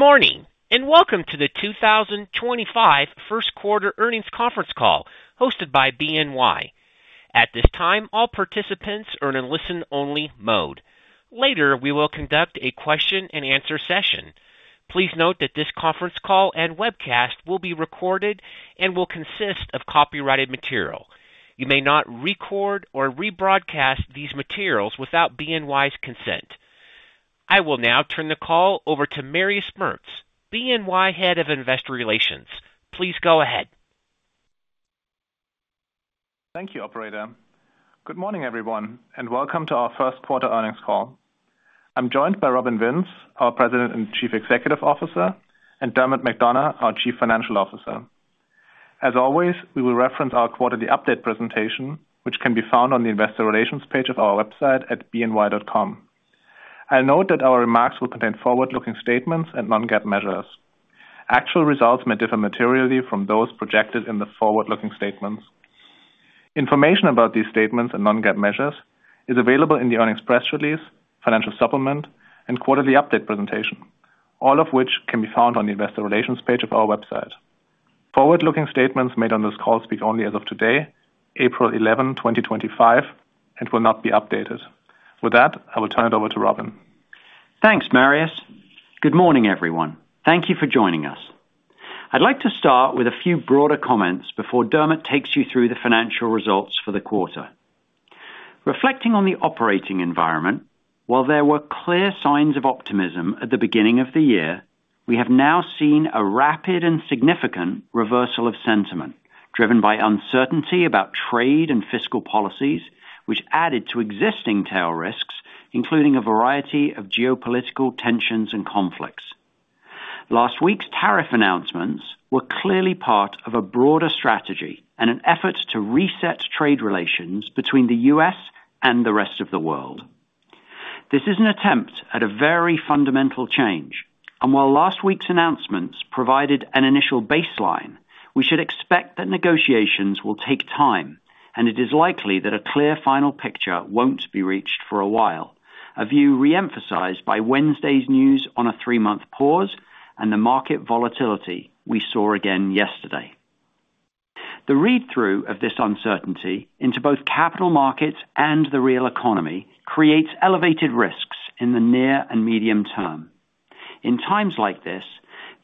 Good morning and welcome to the 2025 First Quarter Earnings Conference Call hosted by BNY. At this time, all participants are in listen-only mode. Later, we will conduct a question-and-answer session. Please note that this conference call and webcast will be recorded and will consist of copyrighted material. You may not record or rebroadcast these materials without BNY's consent. I will now turn the call over to Marius Merz, BNY Head of Investor Relations. Please go ahead. Thank you, Operator. Good morning, everyone, and welcome to our First Quarter Earnings Call. I'm joined by Robin Vince, our President and Chief Executive Officer, and Dermot McDonogh, our Chief Financial Officer. As always, we will reference our quarterly update presentation, which can be found on the Investor Relations page of our website at bny.com. I'll note that our remarks will contain forward-looking statements and non-GAAP measures. Actual results may differ materially from those projected in the forward-looking statements. Information about these statements and non-GAAP measures is available in the earnings press release, financial supplement, and quarterly update presentation, all of which can be found on the Investor Relations page of our website. Forward-looking statements made on this call speak only as of today, April 11, 2025, and will not be updated. With that, I will turn it over to Robin. Thanks, Marius. Good morning, everyone. Thank you for joining us. I'd like to start with a few broader comments before Dermot takes you through the financial results for the quarter. Reflecting on the operating environment, while there were clear signs of optimism at the beginning of the year, we have now seen a rapid and significant reversal of sentiment driven by uncertainty about trade and fiscal policies, which added to existing tail risks, including a variety of geopolitical tensions and conflicts. Last week's tariff announcements were clearly part of a broader strategy and an effort to reset trade relations between the U.S. and the rest of the world. This is an attempt at a very fundamental change. While last week's announcements provided an initial baseline, we should expect that negotiations will take time, and it is likely that a clear final picture will not be reached for a while, a view reemphasized by Wednesday's news on a three-month pause and the market volatility we saw again yesterday. The read-through of this uncertainty into both capital markets and the real economy creates elevated risks in the near and medium term. In times like this,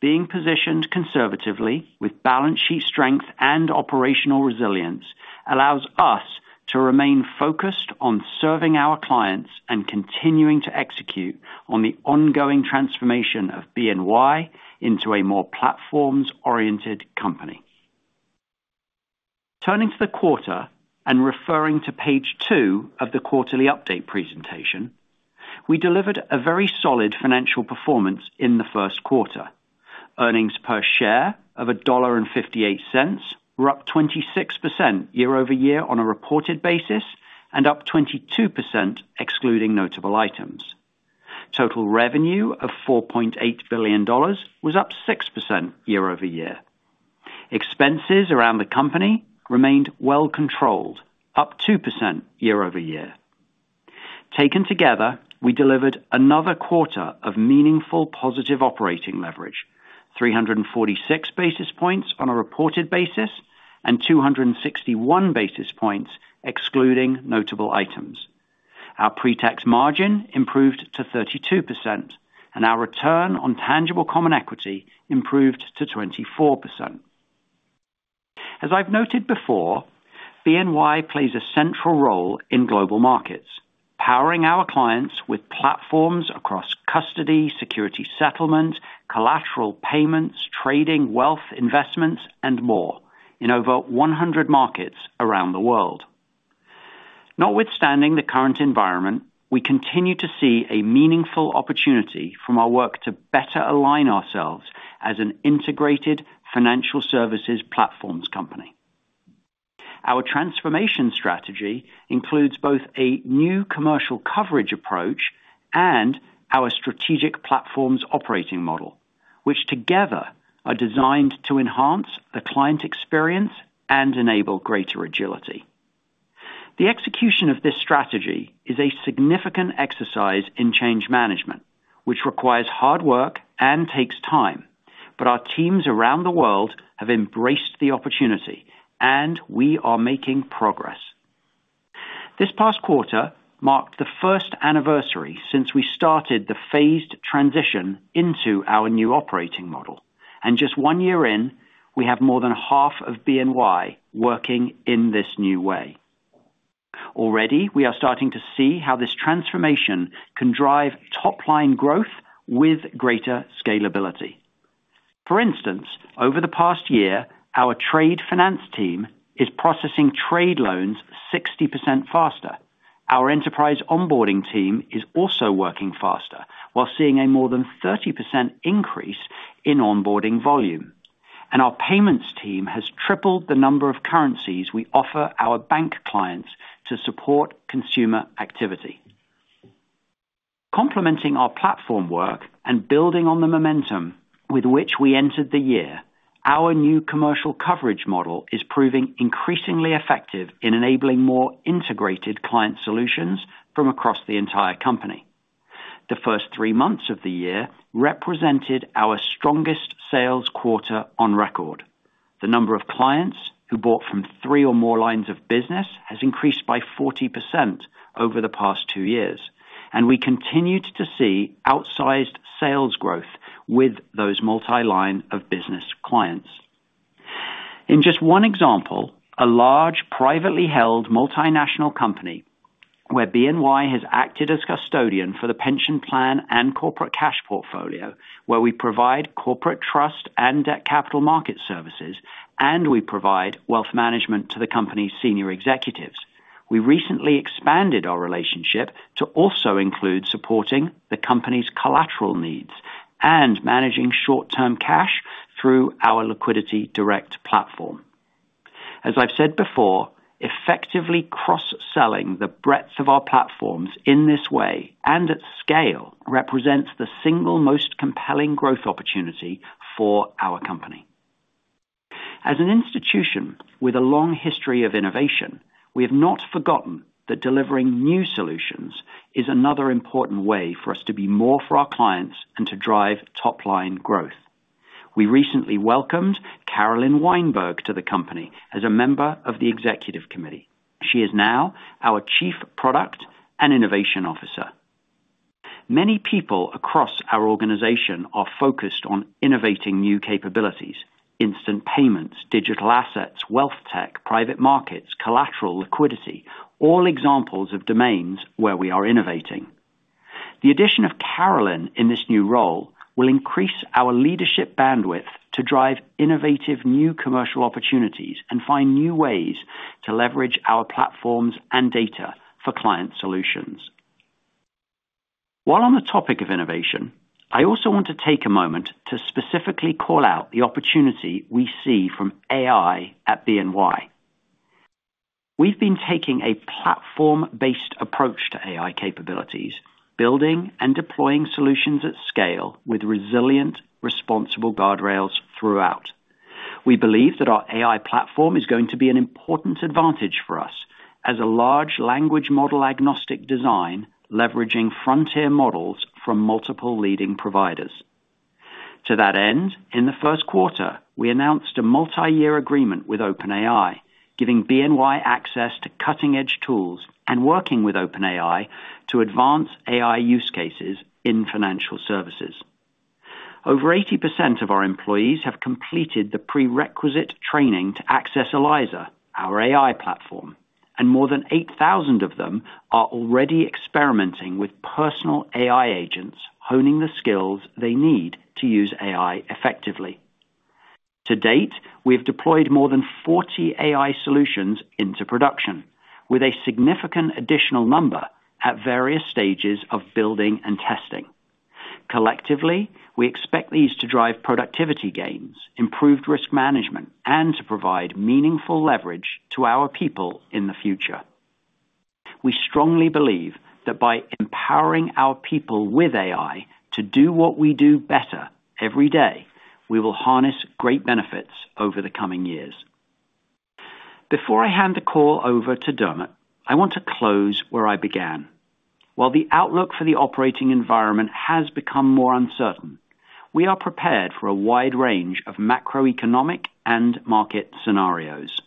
being positioned conservatively with balance sheet strength and operational resilience allows us to remain focused on serving our clients and continuing to execute on the ongoing transformation of BNY into a more platforms-oriented company. Turning to the quarter and referring to page two of the quarterly update presentation, we delivered a very solid financial performance in the first quarter. Earnings per share of $1.58 were up 26% year-over-year on a reported basis and up 22% excluding notable items. Total revenue of $4.8 billion was up 6% year-over-year. Expenses around the company remained well controlled, up 2% year-over-year. Taken together, we delivered another quarter of meaningful positive operating leverage, 346 basis points on a reported basis and 261 basis points excluding notable items. Our pre-tax margin improved to 32%, and our return on tangible common equity improved to 24%. As I've noted before, BNY plays a central role in global markets, powering our clients with platforms across custody, security settlement, collateral payments, trading, wealth investments, and more in over 100 markets around the world. Notwithstanding the current environment, we continue to see a meaningful opportunity from our work to better align ourselves as an integrated financial services platforms company. Our transformation strategy includes both a new commercial coverage approach and our strategic platforms operating model, which together are designed to enhance the client experience and enable greater agility. The execution of this strategy is a significant exercise in change management, which requires hard work and takes time, but our teams around the world have embraced the opportunity, and we are making progress. This past quarter marked the first anniversary since we started the phased transition into our new operating model, and just one year in, we have more than half of BNY working in this new way. Already, we are starting to see how this transformation can drive top-line growth with greater scalability. For instance, over the past year, our trade finance team is processing trade loans 60% faster. Our enterprise onboarding team is also working faster while seeing a more than 30% increase in onboarding volume, and our payments team has tripled the number of currencies we offer our bank clients to support consumer activity. Complementing our platform work and building on the momentum with which we entered the year, our new commercial coverage model is proving increasingly effective in enabling more integrated client solutions from across the entire company. The first three months of the year represented our strongest sales quarter on record. The number of clients who bought from three or more lines of business has increased by 40% over the past two years, and we continue to see outsized sales growth with those multi-line of business clients. In just one example, a large privately held multinational company where BNY has acted as custodian for the pension plan and corporate cash portfolio, where we provide corporate trust and capital market services, and we provide wealth management to the company's senior executives. We recently expanded our relationship to also include supporting the company's collateral needs and managing short-term cash through our Liquidity Direct platform. As I've said before, effectively cross-selling the breadth of our platforms in this way and at scale represents the single most compelling growth opportunity for our company. As an institution with a long history of innovation, we have not forgotten that delivering new solutions is another important way for us to be more for our clients and to drive top-line growth. We recently welcomed Carolyn Weinberg to the company as a member of the executive committee. She is now our Chief Product and Innovation Officer. Many people across our organization are focused on innovating new capabilities: instant payments, digital assets, wealth tech, private markets, collateral, liquidity—all examples of domains where we are innovating. The addition of Carolyn in this new role will increase our leadership bandwidth to drive innovative new commercial opportunities and find new ways to leverage our platforms and data for client solutions. While on the topic of innovation, I also want to take a moment to specifically call out the opportunity we see from AI at BNY. We've been taking a platform-based approach to AI capabilities, building and deploying solutions at scale with resilient, responsible guardrails throughout. We believe that our AI platform is going to be an important advantage for us as a large language model agnostic design leveraging frontier models from multiple leading providers. To that end, in the first quarter, we announced a multi-year agreement with OpenAI, giving BNY access to cutting-edge tools and working with OpenAI to advance AI use cases in financial services. Over 80% of our employees have completed the prerequisite training to access Eliza, our AI platform, and more than 8,000 of them are already experimenting with personal AI agents, honing the skills they need to use AI effectively. To date, we have deployed more than 40 AI solutions into production, with a significant additional number at various stages of building and testing. Collectively, we expect these to drive productivity gains, improved risk management, and to provide meaningful leverage to our people in the future. We strongly believe that by empowering our people with AI to do what we do better every day, we will harness great benefits over the coming years. Before I hand the call over to Dermot, I want to close where I began. While the outlook for the operating environment has become more uncertain, we are prepared for a wide range of macroeconomic and market scenarios.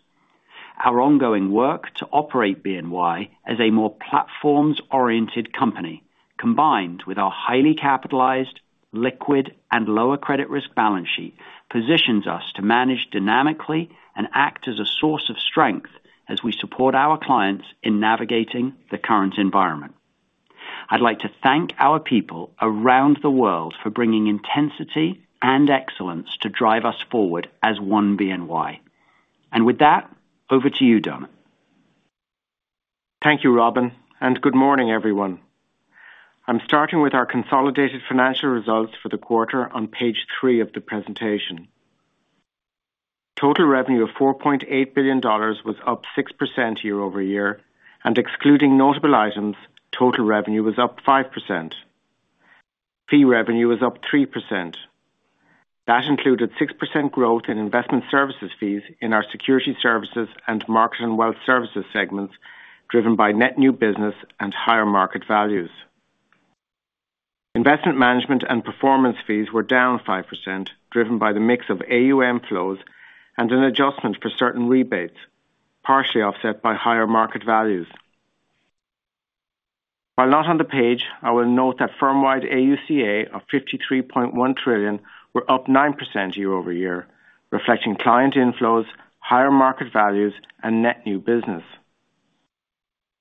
Our ongoing work to operate BNY as a more platforms-oriented company, combined with our highly capitalized, liquid, and lower credit risk balance sheet, positions us to manage dynamically and act as a source of strength as we support our clients in navigating the current environment. I would like to thank our people around the world for bringing intensity and excellence to drive us forward as one BNY. With that, over to you, Dermot. Thank you, Robin, and good morning, everyone. I'm starting with our consolidated financial results for the quarter on page three of the presentation. Total revenue of $4.8 billion was up 6% year-over-year, and excluding notable items, total revenue was up 5%. Fee revenue was up 3%. That included 6% growth in investment services fees in our security services and market and wealth services segments, driven by net new business and higher market values. Investment management and performance fees were down 5%, driven by the mix of AUM flows and an adjustment for certain rebates, partially offset by higher market values. While not on the page, I will note that firm-wide AUCA of $53.1 trillion were up 9% year-over-year, reflecting client inflows, higher market values, and net new business.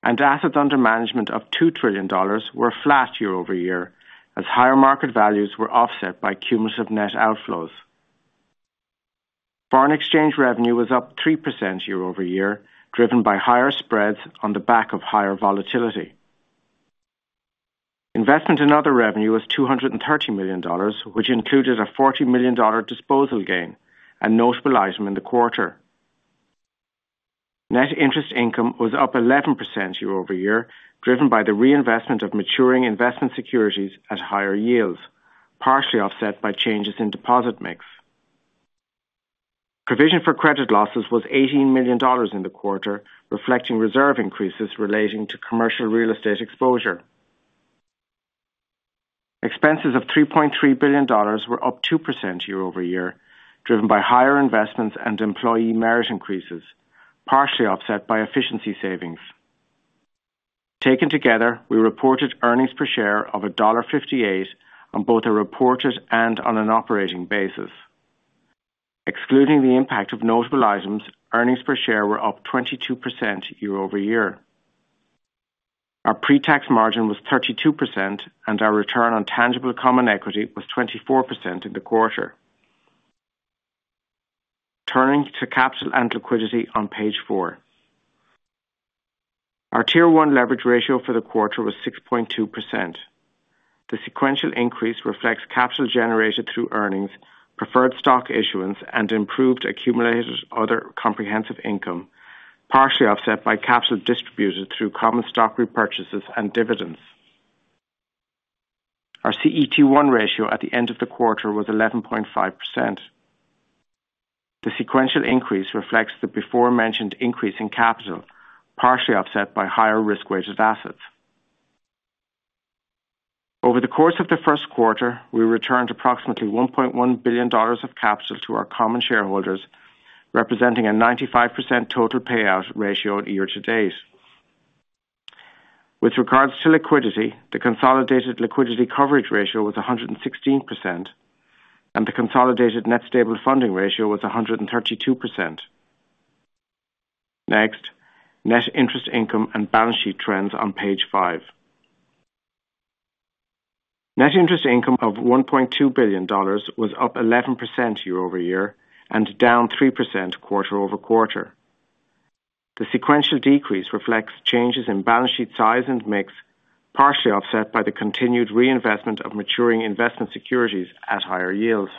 Assets under management of $2 trillion were flat year-over-year, as higher market values were offset by cumulative net outflows. Foreign exchange revenue was up 3% year-over-year, driven by higher spreads on the back of higher volatility. Investment and other revenue was $230 million, which included a $40 million disposal gain and notable item in the quarter. Net interest income was up 11% year-over-year, driven by the reinvestment of maturing investment securities at higher yields, partially offset by changes in deposit mix. Provision for credit losses was $18 million in the quarter, reflecting reserve increases relating to commercial real estate exposure. Expenses of $3.3 billion were up 2% year-over-year, driven by higher investments and employee merit increases, partially offset by efficiency savings. Taken together, we reported earnings per share of $1.58 on both a reported and on an operating basis. Excluding the impact of notable items, earnings per share were up 22% year-over-year. Our pre-tax margin was 32%, and our return on tangible common equity was 24% in the quarter. Turning to capital and liquidity on page four, our tier one leverage ratio for the quarter was 6.2%. The sequential increase reflects capital generated through earnings, preferred stock issuance, and improved accumulated other comprehensive income, partially offset by capital distributed through common stock repurchases and dividends. Our CET1 ratio at the end of the quarter was 11.5%. The sequential increase reflects the before-mentioned increase in capital, partially offset by higher risk-weighted assets. Over the course of the first quarter, we returned approximately $1.1 billion of capital to our common shareholders, representing a 95% total payout ratio at year-to-date. With regards to liquidity, the consolidated liquidity coverage ratio was 116%, and the consolidated net stable funding ratio was 132%. Next, net interest income and balance sheet trends on page five. Net interest income of $1.2 billion was up 11% year-over-year and down 3% quarter over quarter. The sequential decrease reflects changes in balance sheet size and mix, partially offset by the continued reinvestment of maturing investment securities at higher yields.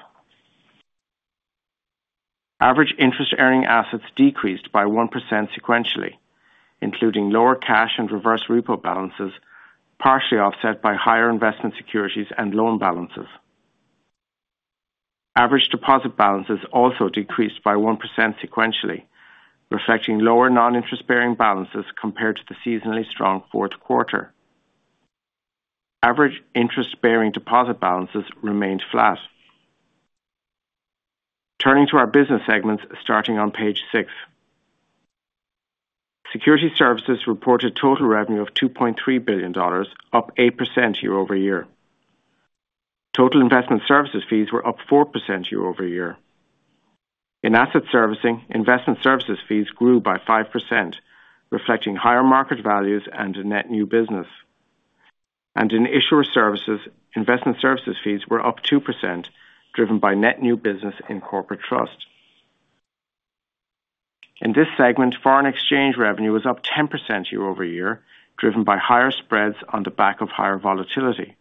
Average interest-earning assets decreased by 1% sequentially, including lower cash and reverse repo balances, partially offset by higher investment securities and loan balances. Average deposit balances also decreased by 1% sequentially, reflecting lower non-interest-bearing balances compared to the seasonally strong fourth quarter. Average interest-bearing deposit balances remained flat. Turning to our business segments starting on page six, security services reported total revenue of $2.3 billion, up 8% year-over-year. Total investment services fees were up 4% year-over-year. In asset servicing, investment services fees grew by 5%, reflecting higher market values and net new business. In issuer services, investment services fees were up 2%, driven by net new business in corporate trust. In this segment, foreign exchange revenue was up 10% year-over-year, driven by higher spreads on the back of higher volatility.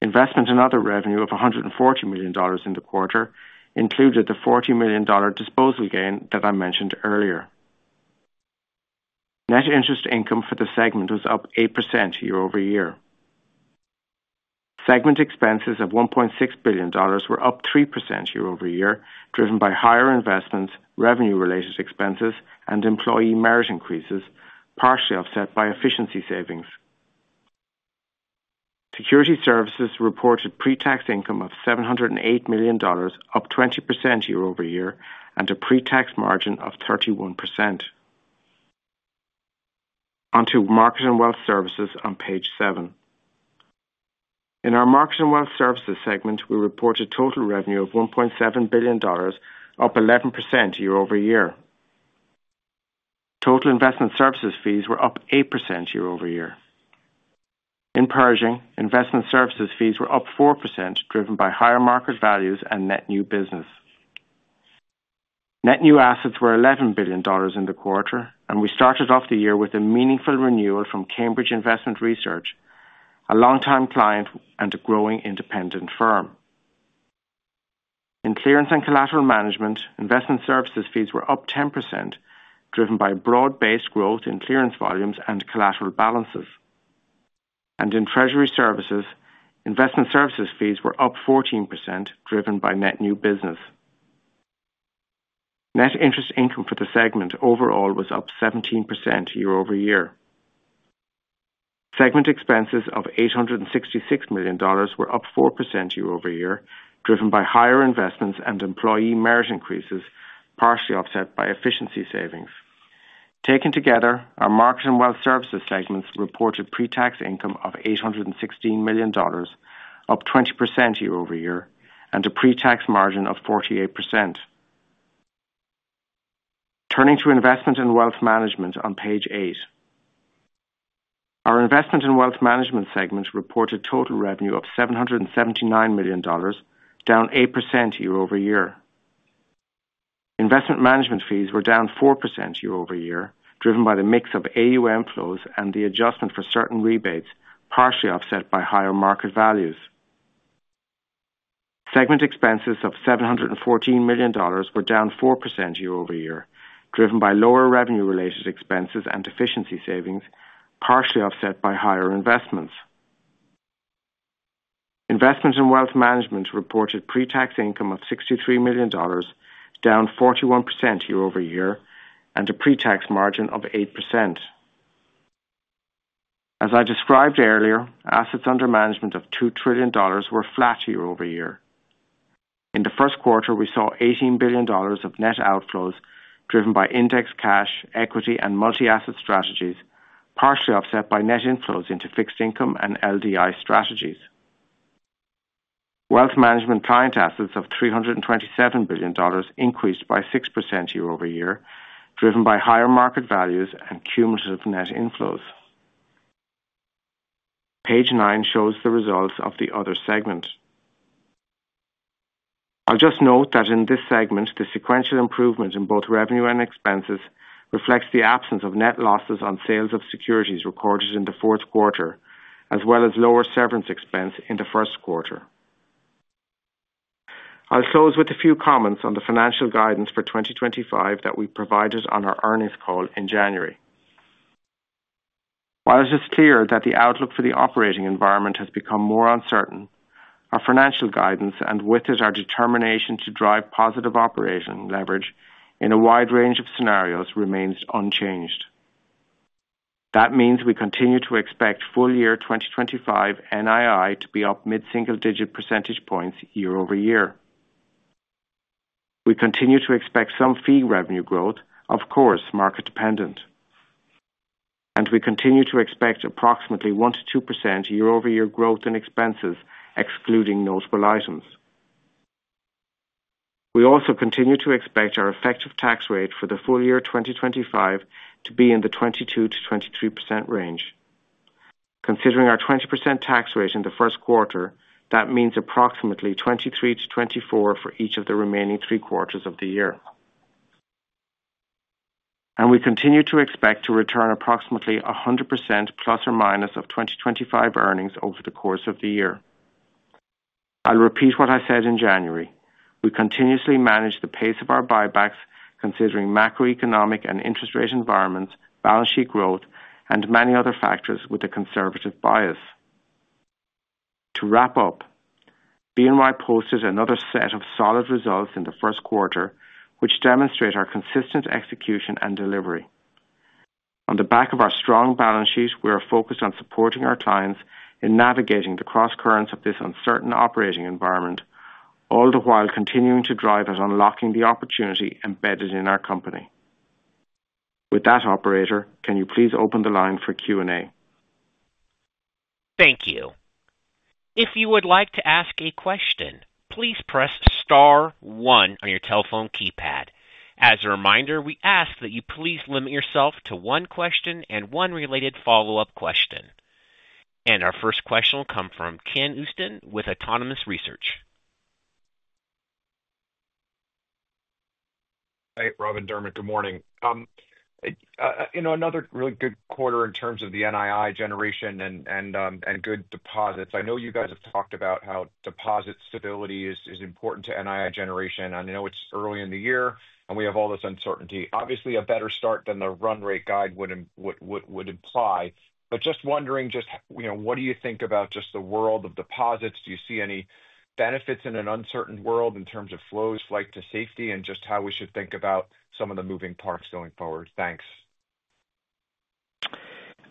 Investment and other revenue of $140 million in the quarter included the $40 million disposal gain that I mentioned earlier. Net interest income for the segment was up 8% year-over-year. Segment expenses of $1.6 billion were up 3% year-over-year, driven by higher investments, revenue-related expenses, and employee merit increases, partially offset by efficiency savings. Security services reported pre-tax income of $708 million, up 20% year-over-year, and a pre-tax margin of 31%. Onto market and wealth services on page seven. In our market and wealth services segment, we reported total revenue of $1.7 billion, up 11% year-over-year. Total investment services fees were up 8% year-over-year. In Pershing, investment services fees were up 4%, driven by higher market values and net new business. Net new assets were $11 billion in the quarter, and we started off the year with a meaningful renewal from Cambridge Investment Research, a longtime client and a growing independent firm. In clearance and collateral management, investment services fees were up 10%, driven by broad-based growth in clearance volumes and collateral balances. In treasury services, investment services fees were up 14%, driven by net new business. Net interest income for the segment overall was up 17% year-over-year. Segment expenses of $866 million were up 4% year-over-year, driven by higher investments and employee merit increases, partially offset by efficiency savings. Taken together, our market and wealth services segments reported pre-tax income of $816 million, up 20% year-over-year, and a pre-tax margin of 48%. Turning to investment and wealth management on page eight, our investment and wealth management segment reported total revenue of $779 million, down 8% year-over-year. Investment management fees were down 4% year-over-year, driven by the mix of AUM flows and the adjustment for certain rebates, partially offset by higher market values. Segment expenses of $714 million were down 4% year-over-year, driven by lower revenue-related expenses and efficiency savings, partially offset by higher investments. Investment and wealth management reported pre-tax income of $63 million, down 41% year-over-year, and a pre-tax margin of 8%. As I described earlier, assets under management of $2 trillion were flat year-over-year. In the first quarter, we saw $18 billion of net outflows, driven by index cash, equity, and multi-asset strategies, partially offset by net inflows into fixed income and LDI strategies. Wealth management client assets of $327 billion increased by 6% year-over-year, driven by higher market values and cumulative net inflows. Page nine shows the results of the other segment. I'll just note that in this segment, the sequential improvement in both revenue and expenses reflects the absence of net losses on sales of securities recorded in the fourth quarter, as well as lower severance expense in the first quarter. I'll close with a few comments on the financial guidance for 2025 that we provided on our earnings call in January. While it is clear that the outlook for the operating environment has become more uncertain, our financial guidance, and with it, our determination to drive positive operating leverage in a wide range of scenarios, remains unchanged. That means we continue to expect full year 2025 NII to be up mid-single-digit percentage points year-over-year. We continue to expect some fee revenue growth, of course, market-dependent. We continue to expect approximately 1%-2% year-over-year growth in expenses, excluding notable items. We also continue to expect our effective tax rate for the full year 2025 to be in the 22%-23% range. Considering our 20% tax rate in the first quarter, that means approximately 23%-24% for each of the remaining three quarters of the year. We continue to expect to return approximately 100% plus or minus of 2025 earnings over the course of the year. I'll repeat what I said in January. We continuously manage the pace of our buybacks, considering macroeconomic and interest rate environments, balance sheet growth, and many other factors with a conservative bias. To wrap up, BNY posted another set of solid results in the first quarter, which demonstrate our consistent execution and delivery. On the back of our strong balance sheet, we are focused on supporting our clients in navigating the cross-currents of this uncertain operating environment, all the while continuing to drive at unlocking the opportunity embedded in our company. With that, Operator, can you please open the line for Q&A? Thank you. If you would like to ask a question, please press star one on your telephone keypad. As a reminder, we ask that you please limit yourself to one question and one related follow-up question. Our first question will come from Ken Uston with Autonomous Research. Hey, Robin, Dermot, good morning. Another really good quarter in terms of the NII generation and good deposits. I know you guys have talked about how deposit stability is important to NII generation. I know it is early in the year, and we have all this uncertainty. Obviously, a better start than the run rate guide would imply. But just wondering, what do you think about just the world of deposits? Do you see any benefits in an uncertain world in terms of flows flight to safety and just how we should think about some of the moving parts going forward? Thanks.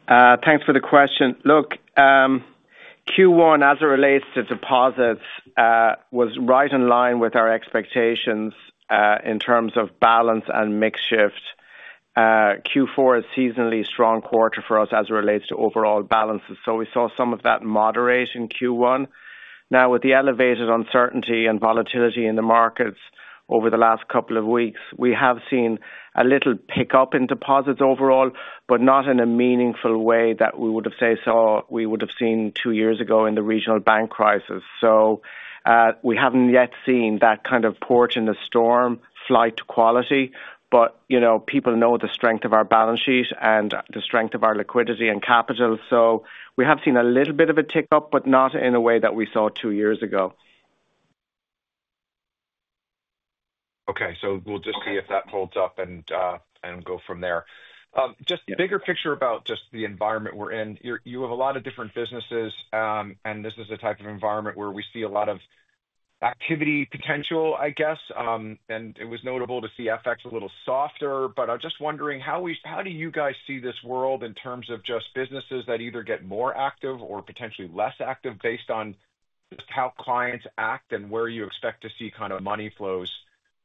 Thanks for the question. Look, Q1, as it relates to deposits, was right in line with our expectations in terms of balance and mix shift. Q4 is a seasonally strong quarter for us as it relates to overall balances. We saw some of that moderate in Q1. Now, with the elevated uncertainty and volatility in the markets over the last couple of weeks, we have seen a little pickup in deposits overall, but not in a meaningful way that we would have said we would have seen two years ago in the regional bank crisis. We have not yet seen that kind of port in the storm flight to quality. People know the strength of our balance sheet and the strength of our liquidity and capital. We have seen a little bit of a tick up, but not in a way that we saw two years ago. Okay. We will just see if that holds up and go from there. Just a bigger picture about just the environment we are in. You have a lot of different businesses, and this is a type of environment where we see a lot of activity potential, I guess. It was notable to see FX a little softer. I'm just wondering, how do you guys see this world in terms of just businesses that either get more active or potentially less active based on just how clients act and where you expect to see kind of money flows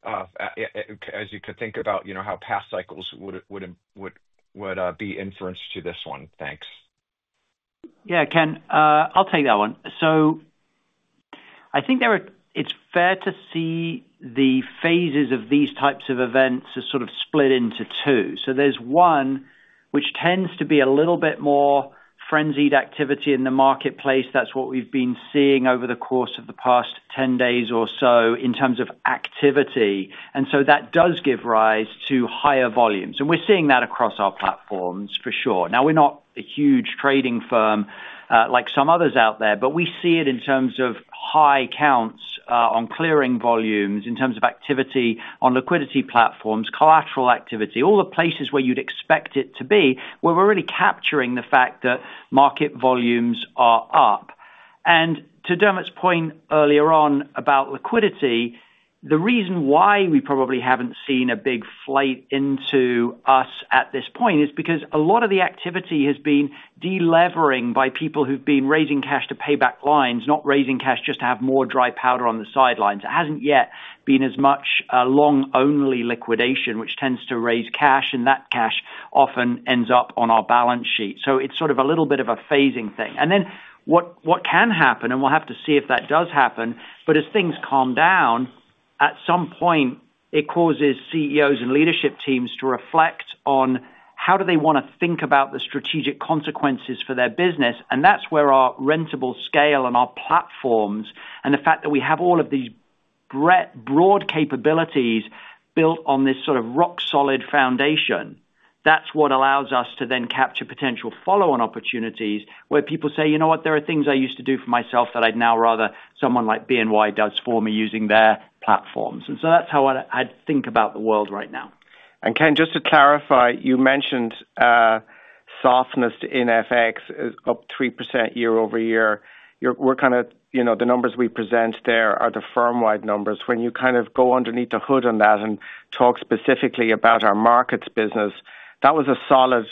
as you could think about how past cycles would be inference to this one? Thanks. Yeah, Ken, I'll take that one. I think it's fair to see the phases of these types of events are sort of split into two. There's one, which tends to be a little bit more frenzied activity in the marketplace. That's what we've been seeing over the course of the past 10 days or so in terms of activity. That does give rise to higher volumes. We're seeing that across our platforms, for sure. Now, we're not a huge trading firm like some others out there, but we see it in terms of high counts on clearing volumes, in terms of activity on liquidity platforms, collateral activity, all the places where you'd expect it to be where we're really capturing the fact that market volumes are up. To Dermot's point earlier on about liquidity, the reason why we probably haven't seen a big flight into us at this point is because a lot of the activity has been delevering by people who've been raising cash to pay back lines, not raising cash just to have more dry powder on the sidelines. It hasn't yet been as much long-only liquidation, which tends to raise cash, and that cash often ends up on our balance sheet. It's sort of a little bit of a phasing thing. What can happen, and we'll have to see if that does happen, but as things calm down, at some point, it causes CEOs and leadership teams to reflect on how do they want to think about the strategic consequences for their business. That is where our rentable scale and our platforms and the fact that we have all of these broad capabilities built on this sort of rock-solid foundation, that is what allows us to then capture potential follow-on opportunities where people say, "You know what? There are things I used to do for myself that I'd now rather someone like BNY does for me using their platforms." That is how I'd think about the world right now. Ken, just to clarify, you mentioned softness in FX up 3% year-over-year. The numbers we present there are the firm-wide numbers. When you kind of go underneath the hood on that and talk specifically about our markets business, that was a solid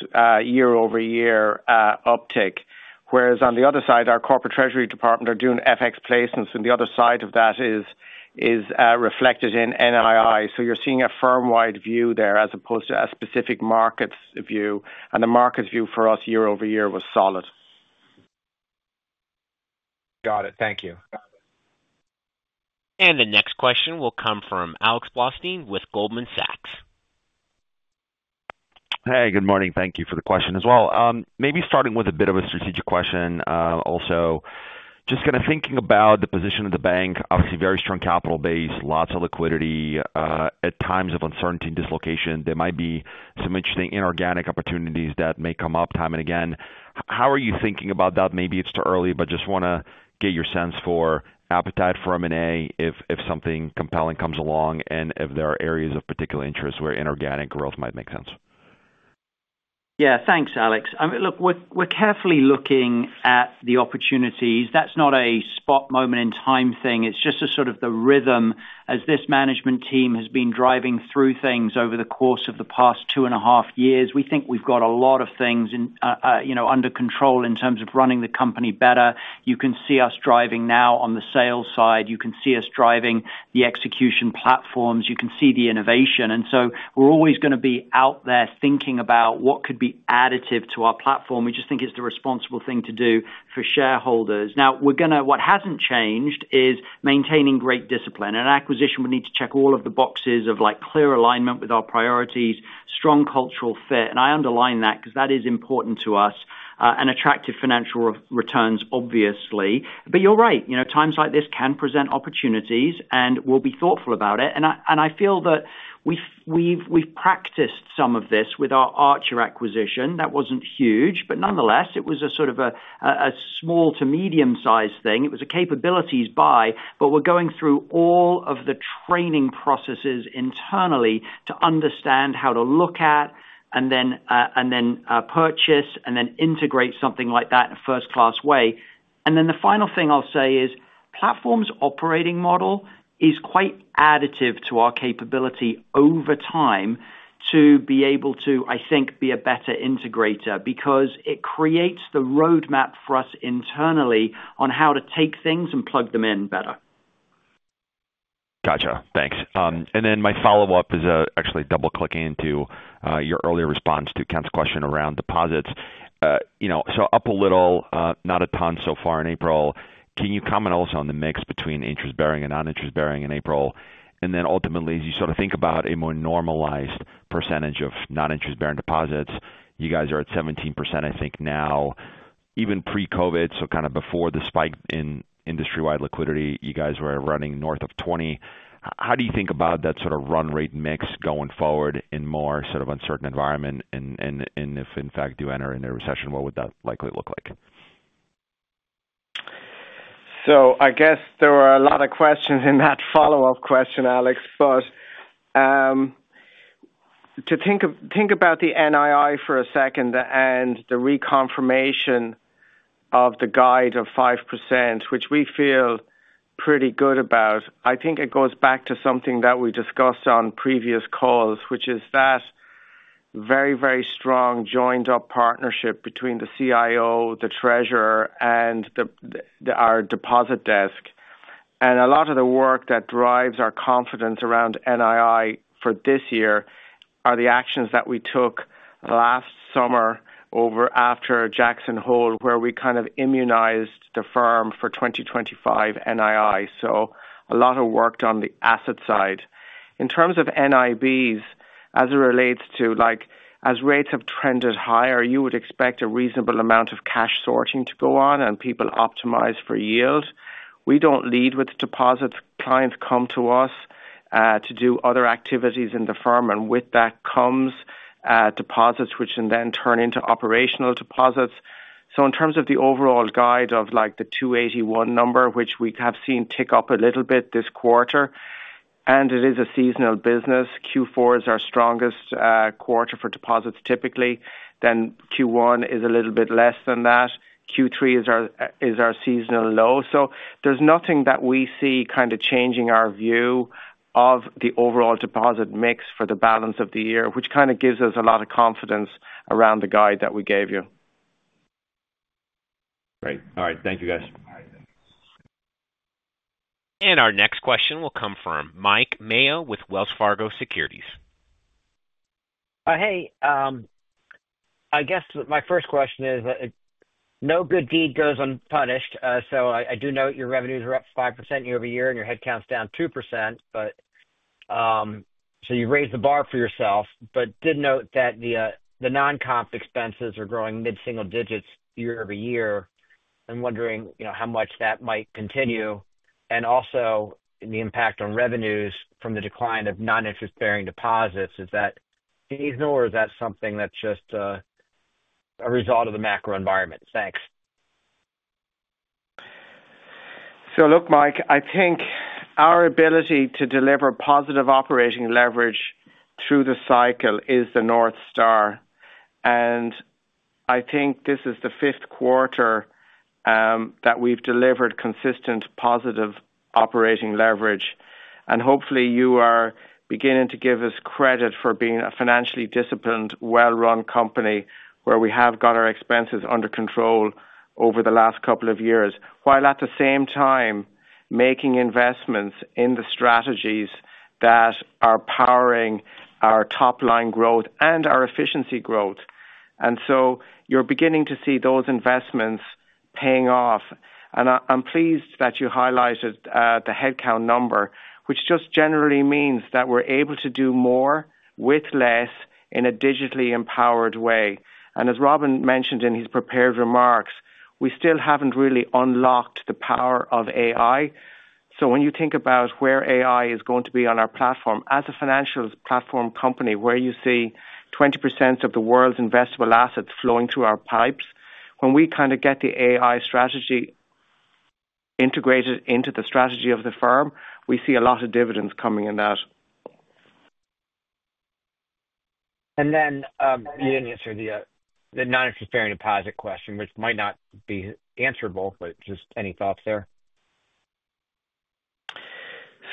year-over-year uptick. Whereas on the other side, our corporate treasury department are doing FX placements, and the other side of that is reflected in NII. You are seeing a firm-wide view there as opposed to a specific markets view. The markets view for us year-over-year was solid. Got it. Thank you. The next question will come from Alex Blostein with Goldman Sachs. Hey, good morning. Thank you for the question as well. Maybe starting with a bit of a strategic question also. Just kind of thinking about the position of the bank, obviously very strong capital base, lots of liquidity. At times of uncertainty and dislocation, there might be some interesting inorganic opportunities that may come up time and again. How are you thinking about that? Maybe it's too early, but just want to get your sense for appetite for M&A if something compelling comes along and if there are areas of particular interest where inorganic growth might make sense. Yeah, thanks, Alex. Look, we're carefully looking at the opportunities. That's not a spot moment in time thing. It's just sort of the rhythm as this management team has been driving through things over the course of the past two and a half years. We think we've got a lot of things under control in terms of running the company better. You can see us driving now on the sales side. You can see us driving the execution platforms. You can see the innovation. We are always going to be out there thinking about what could be additive to our platform. We just think it's the responsible thing to do for shareholders. Now, what has not changed is maintaining great discipline. In an acquisition, we need to check all of the boxes of clear alignment with our priorities, strong cultural fit. I underline that because that is important to us and attractive financial returns, obviously. You are right. Times like this can present opportunities, and we will be thoughtful about it. I feel that we have practiced some of this with our Archer acquisition. That was not huge, but nonetheless, it was a sort of a small to medium-sized thing. It was a capabilities buy, but we are going through all of the training processes internally to understand how to look at and then purchase and then integrate something like that in a first-class way. The final thing I'll say is platform's operating model is quite additive to our capability over time to be able to, I think, be a better integrator because it creates the roadmap for us internally on how to take things and plug them in better. Gotcha. Thanks. My follow-up is actually double-clicking into your earlier response to Ken's question around deposits. Up a little, not a ton so far in April. Can you comment also on the mix between interest-bearing and non-interest-bearing in April? Ultimately, as you sort of think about a more normalized percentage of non-interest-bearing deposits, you guys are at 17% now. Even pre-COVID, so kind of before the spike in industry-wide liquidity, you guys were running north of 20. How do you think about that sort of run rate mix going forward in a more uncertain environment? If, in fact, you enter into a recession, what would that likely look like? I guess there were a lot of questions in that follow-up question, Alex, but to think about the NII for a second and the reconfirmation of the guide of 5%, which we feel pretty good about, I think it goes back to something that we discussed on previous calls, which is that very, very strong joined-up partnership between the CIO, the treasurer, and our deposit desk. A lot of the work that drives our confidence around NII for this year are the actions that we took last summer after Jackson Hole, where we kind of immunized the firm for 2025 NII. A lot of work done on the asset side. In terms of NIBs, as it relates to as rates have trended higher, you would expect a reasonable amount of cash sorting to go on and people optimize for yield. We don't lead with deposits. Clients come to us to do other activities in the firm, and with that comes deposits, which can then turn into operational deposits. In terms of the overall guide of the 281 number, which we have seen tick up a little bit this quarter, it is a seasonal business. Q4 is our strongest quarter for deposits typically. Q1 is a little bit less than that. Q3 is our seasonal low. There is nothing that we see kind of changing our view of the overall deposit mix for the balance of the year, which kind of gives us a lot of confidence around the guide that we gave you. Great. All right. Thank you, guys. All right. Thanks. Our next question will come from Mike Mayo with Wells Fargo Securities. Hey, I guess my first question is no good deed goes unpunished. I do note your revenues are up 5% year-over-year, and your headcount's down 2%. You raised the bar for yourself, but did note that the non-comp expenses are growing mid-single digits year-over-year. I'm wondering how much that might continue. Also the impact on revenues from the decline of non-interest-bearing deposits. Is that seasonal, or is that something that's just a result of the macro environment? Thanks. Look, Mike, I think our ability to deliver positive operating leverage through the cycle is the North Star. I think this is the fifth quarter that we've delivered consistent positive operating leverage. Hopefully, you are beginning to give us credit for being a financially disciplined, well-run company where we have got our expenses under control over the last couple of years, while at the same time making investments in the strategies that are powering our top-line growth and our efficiency growth. You are beginning to see those investments paying off. I am pleased that you highlighted the headcount number, which just generally means that we are able to do more with less in a digitally empowered way. As Robin mentioned in his prepared remarks, we still have not really unlocked the power of AI. When you think about where AI is going to be on our platform, as a financial platform company where you see 20% of the world's investable assets flowing through our pipes, when we kind of get the AI strategy integrated into the strategy of the firm, we see a lot of dividends coming in that. You did not answer the non-interest-bearing deposit question, which might not be answerable, but just any thoughts there?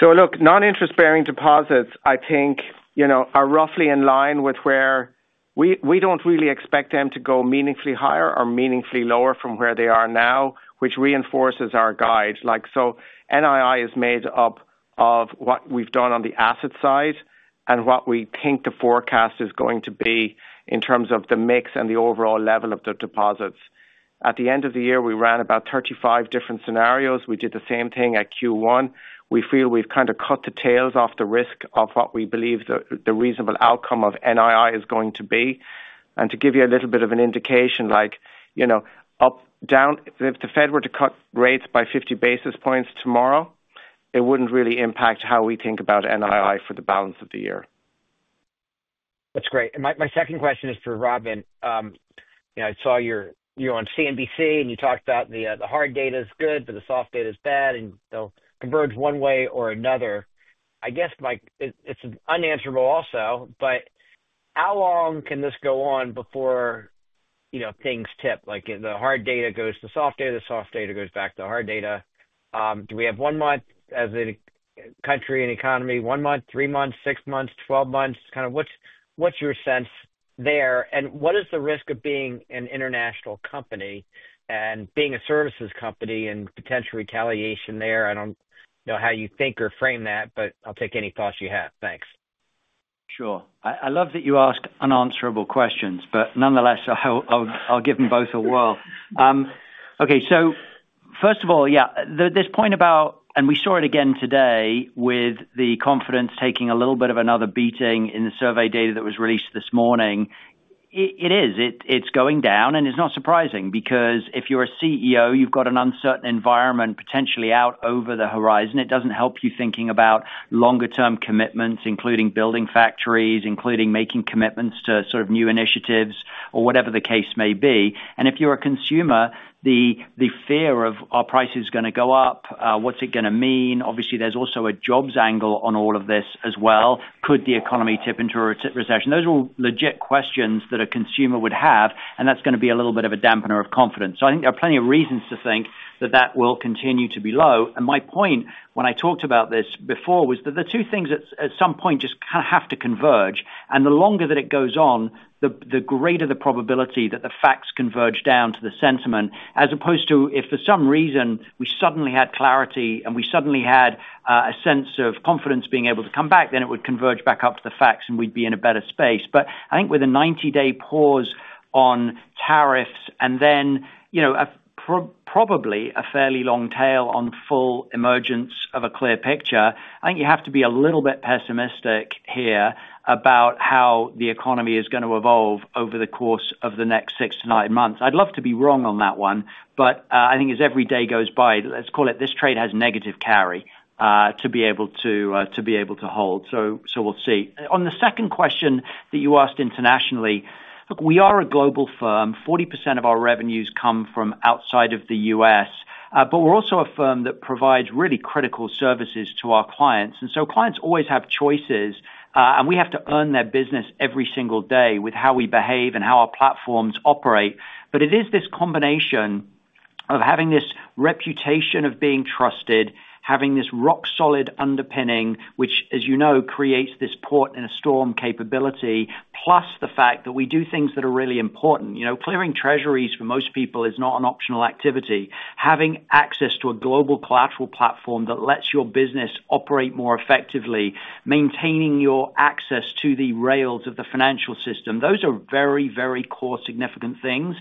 Non-interest-bearing deposits, I think, are roughly in line with where we do not really expect them to go meaningfully higher or meaningfully lower from where they are now, which reinforces our guide. NII is made up of what we have done on the asset side and what we think the forecast is going to be in terms of the mix and the overall level of the deposits. At the end of the year, we ran about 35 different scenarios. We did the same thing at Q1. We feel we've kind of cut the tails off the risk of what we believe the reasonable outcome of NII is going to be. To give you a little bit of an indication, up, down, if the Fed were to cut rates by 50 basis points tomorrow, it wouldn't really impact how we think about NII for the balance of the year. That's great. My second question is for Robin. I saw you're on CNBC, and you talked about the hard data is good, but the soft data is bad, and they'll converge one way or another. I guess, Mike, it's unanswerable also, but how long can this go on before things tip? The hard data goes to the soft data, the soft data goes back to the hard data. Do we have one month as a country and economy? One month, three months, six months, twelve months? Kind of what's your sense there? What is the risk of being an international company and being a services company and potential retaliation there? I don't know how you think or frame that, but I'll take any thoughts you have. Thanks. Sure. I love that you ask unanswerable questions, but nonetheless, I'll give them both a whirl. Okay. First of all, yeah, this point about, and we saw it again today with the confidence taking a little bit of another beating in the survey data that was released this morning. It is. It's going down, and it's not surprising because if you're a CEO, you've got an uncertain environment potentially out over the horizon. It doesn't help you thinking about longer-term commitments, including building factories, including making commitments to sort of new initiatives or whatever the case may be. If you're a consumer, the fear of, "Are prices going to go up? What's it going to mean?" Obviously, there's also a jobs angle on all of this as well. Could the economy tip into a recession? Those are legit questions that a consumer would have, and that's going to be a little bit of a dampener of confidence. I think there are plenty of reasons to think that that will continue to be low. My point when I talked about this before was that the two things at some point just kind of have to converge. The longer that it goes on, the greater the probability that the facts converge down to the sentiment, as opposed to if for some reason we suddenly had clarity and we suddenly had a sense of confidence being able to come back, then it would converge back up to the facts and we'd be in a better space. I think with a 90-day pause on tariffs and then probably a fairly long tail on full emergence of a clear picture, you have to be a little bit pessimistic here about how the economy is going to evolve over the course of the next six to nine months. I'd love to be wrong on that one, but I think as every day goes by, let's call it this trade has negative carry to be able to hold. We'll see. On the second question that you asked internationally, look, we are a global firm. Forty percent of our revenues come from outside of the U.S., but we're also a firm that provides really critical services to our clients. Clients always have choices, and we have to earn their business every single day with how we behave and how our platforms operate. It is this combination of having this reputation of being trusted, having this rock-solid underpinning, which, as you know, creates this port in a storm capability, plus the fact that we do things that are really important. Clearing treasuries for most people is not an optional activity. Having access to a global collateral platform that lets your business operate more effectively, maintaining your access to the rails of the financial system, those are very, very core significant things.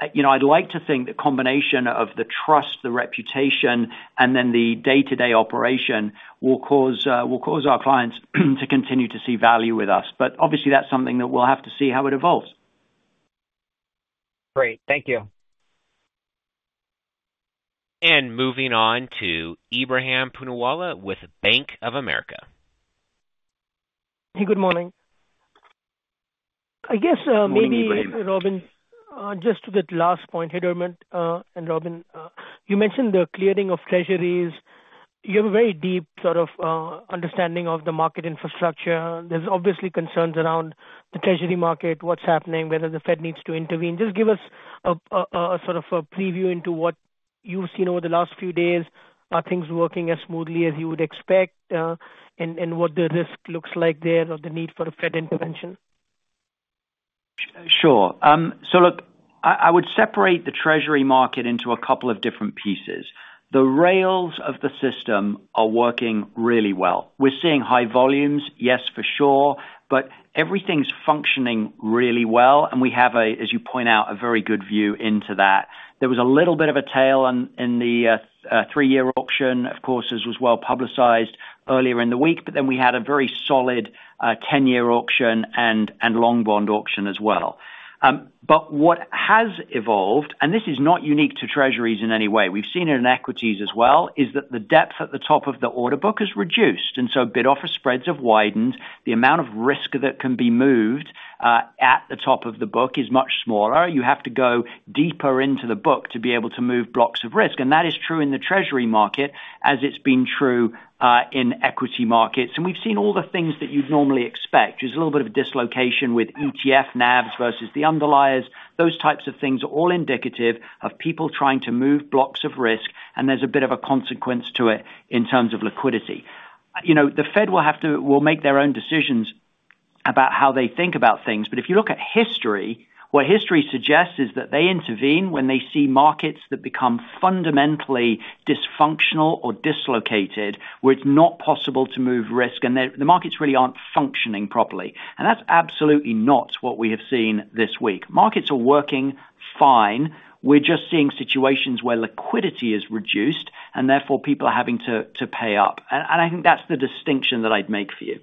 I'd like to think the combination of the trust, the reputation, and then the day-to-day operation will cause our clients to continue to see value with us. Obviously, that's something that we'll have to see how it evolves. Great. Thank you. Moving on to Ebrahim Poonawala with Bank of America. Hey, good morning. I guess maybe, Robin, just with the last point, Dermot and Robin, you mentioned the clearing of treasuries. You have a very deep sort of understanding of the market infrastructure. There's obviously concerns around the treasury market, what's happening, whether the Fed needs to intervene. Just give us a sort of preview into what you've seen over the last few days, things working as smoothly as you would expect, and what the risk looks like there or the need for a Fed intervention. Sure. I would separate the treasury market into a couple of different pieces. The rails of the system are working really well. We're seeing high volumes, yes, for sure, but everything's functioning really well. We have, as you point out, a very good view into that. There was a little bit of a tail in the three-year auction, of course, as was well publicized earlier in the week, but then we had a very solid 10-year auction and long bond auction as well. What has evolved, and this is not unique to treasuries in any way, we've seen it in equities as well, is that the depth at the top of the order book has reduced. Bid-offer spreads have widened. The amount of risk that can be moved at the top of the book is much smaller. You have to go deeper into the book to be able to move blocks of risk. That is true in the treasury market as it's been true in equity markets. We've seen all the things that you'd normally expect. There's a little bit of dislocation with ETF NAVs versus the underliers. Those types of things are all indicative of people trying to move blocks of risk, and there's a bit of a consequence to it in terms of liquidity. The Fed will make their own decisions about how they think about things. If you look at history, what history suggests is that they intervene when they see markets that become fundamentally dysfunctional or dislocated, where it's not possible to move risk, and the markets really aren't functioning properly. That is absolutely not what we have seen this week. Markets are working fine. We're just seeing situations where liquidity is reduced, and therefore people are having to pay up. I think that's the distinction that I'd make for you.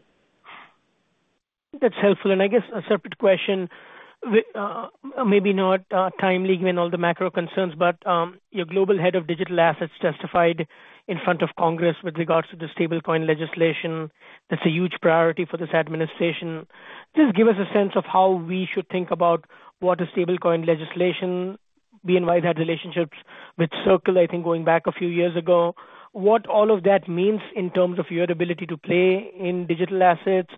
That's helpful. I guess a separate question, maybe not timely given all the macro concerns, but your global head of digital assets testified in front of Congress with regards to the stablecoin legislation. That's a huge priority for this administration. Just give us a sense of how we should think about what a stablecoin legislation. We invite that relationship with Circle, I think, going back a few years ago. What all of that means in terms of your ability to play in digital assets?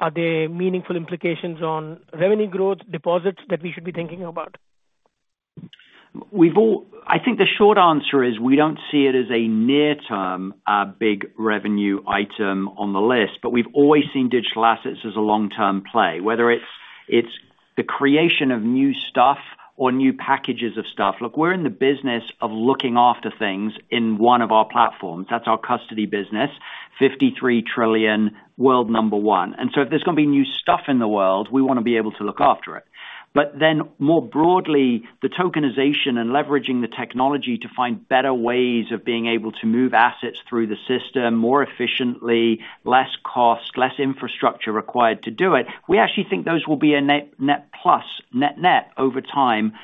Are there meaningful implications on revenue growth, deposits that we should be thinking about? I think the short answer is we don't see it as a near-term big revenue item on the list, but we've always seen digital assets as a long-term play, whether it's the creation of new stuff or new packages of stuff. Look, we're in the business of looking after things in one of our platforms. That's our custody business, $53 trillion, world number one. If there's going to be new stuff in the world, we want to be able to look after it. More broadly, the tokenization and leveraging the technology to find better ways of being able to move assets through the system more efficiently, less cost, less infrastructure required to do it, we actually think those will be a net plus, net net over time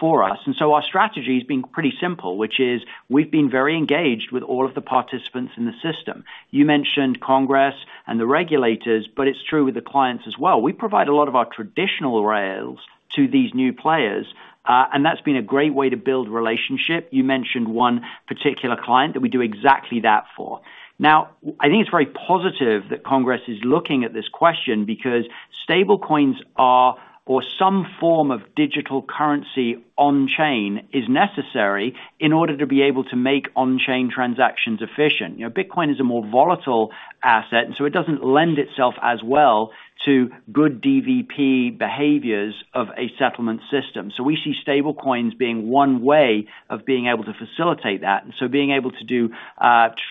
for us. Our strategy has been pretty simple, which is we've been very engaged with all of the participants in the system. You mentioned Congress and the regulators, but it's true with the clients as well. We provide a lot of our traditional rails to these new players, and that's been a great way to build relationship. You mentioned one particular client that we do exactly that for. I think it's very positive that Congress is looking at this question because stablecoins or some form of digital currency on-chain is necessary in order to be able to make on-chain transactions efficient. Bitcoin is a more volatile asset, and it doesn't lend itself as well to good DVP behaviors of a settlement system. We see stablecoins being one way of being able to facilitate that. Being able to do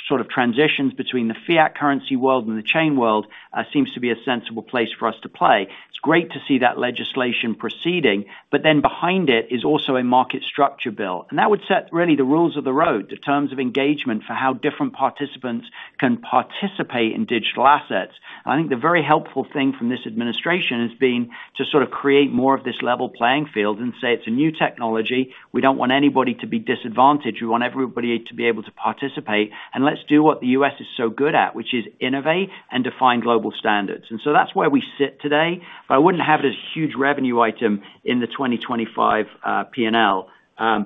sort of transitions between the fiat currency world and the chain world seems to be a sensible place for us to play. It is great to see that legislation proceeding, but then behind it is also a market structure bill. That would set really the rules of the road, the terms of engagement for how different participants can participate in digital assets. I think the very helpful thing from this administration has been to sort of create more of this level playing field and say, "It is a new technology. We do not want anybody to be disadvantaged. We want everybody to be able to participate. Let us do what the U.S. is so good at, which is innovate and define global standards." That is where we sit today. I would not have it as a huge revenue item in the 2025 P&L,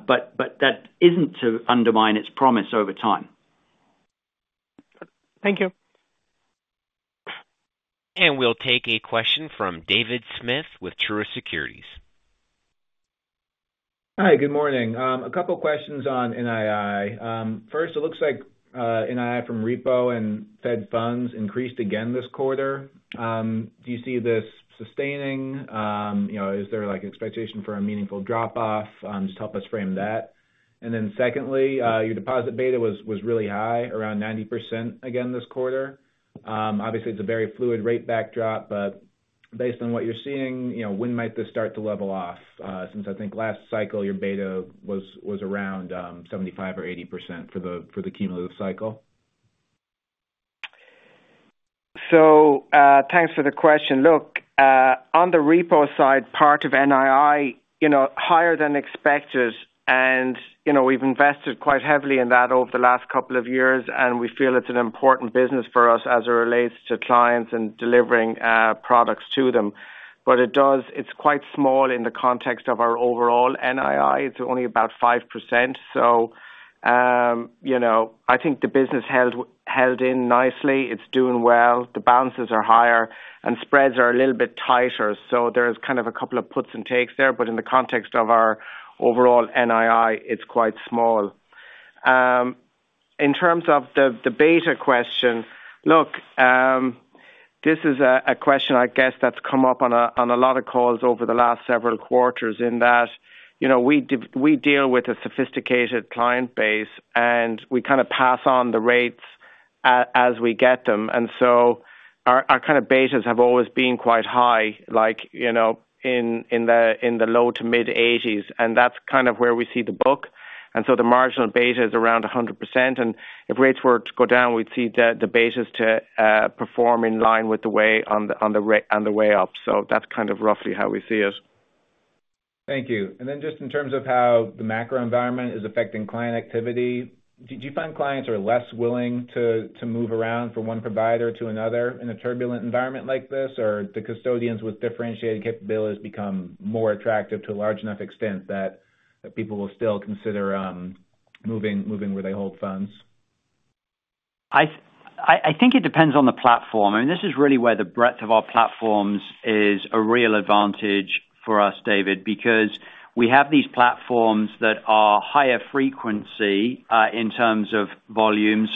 but that is not to undermine its promise over time. Thank you. We will take a question from David Smith with Truist Securities. Hi, good morning. A couple of questions on NII. First, it looks like NII from repo and Fed funds increased again this quarter. Do you see this sustaining? Is there an expectation for a meaningful drop-off? Just help us frame that. Secondly, your deposit beta was really high, around 90% again this quarter. Obviously, it is a very fluid rate backdrop, but based on what you are seeing, when might this start to level off? Since I think last cycle your beta was around 75% or 80% for the cumulative cycle. Thanks for the question. Look, on the repo side, part of NII, higher than expected, and we've invested quite heavily in that over the last couple of years, and we feel it's an important business for us as it relates to clients and delivering products to them. It's quite small in the context of our overall NII. It's only about 5%. I think the business held in nicely. It's doing well. The balances are higher, and spreads are a little bit tighter. There are kind of a couple of puts and takes there, but in the context of our overall NII, it's quite small. In terms of the beta question, this is a question, I guess, that's come up on a lot of calls over the last several quarters in that we deal with a sophisticated client base, and we kind of pass on the rates as we get them. Our kind of betas have always been quite high, like in the low to mid-80s, and that's kind of where we see the book. The marginal beta is around 100%. If rates were to go down, we'd see the betas perform in line with the way on the way up. That's kind of roughly how we see it. Thank you. In terms of how the macro environment is affecting client activity, do you find clients are less willing to move around from one provider to another in a turbulent environment like this, or the custodians with differentiated capabilities become more attractive to a large enough extent that people will still consider moving where they hold funds? I think it depends on the platform. I mean, this is really where the breadth of our platforms is a real advantage for us, David, because we have these platforms that are higher frequency in terms of volumes,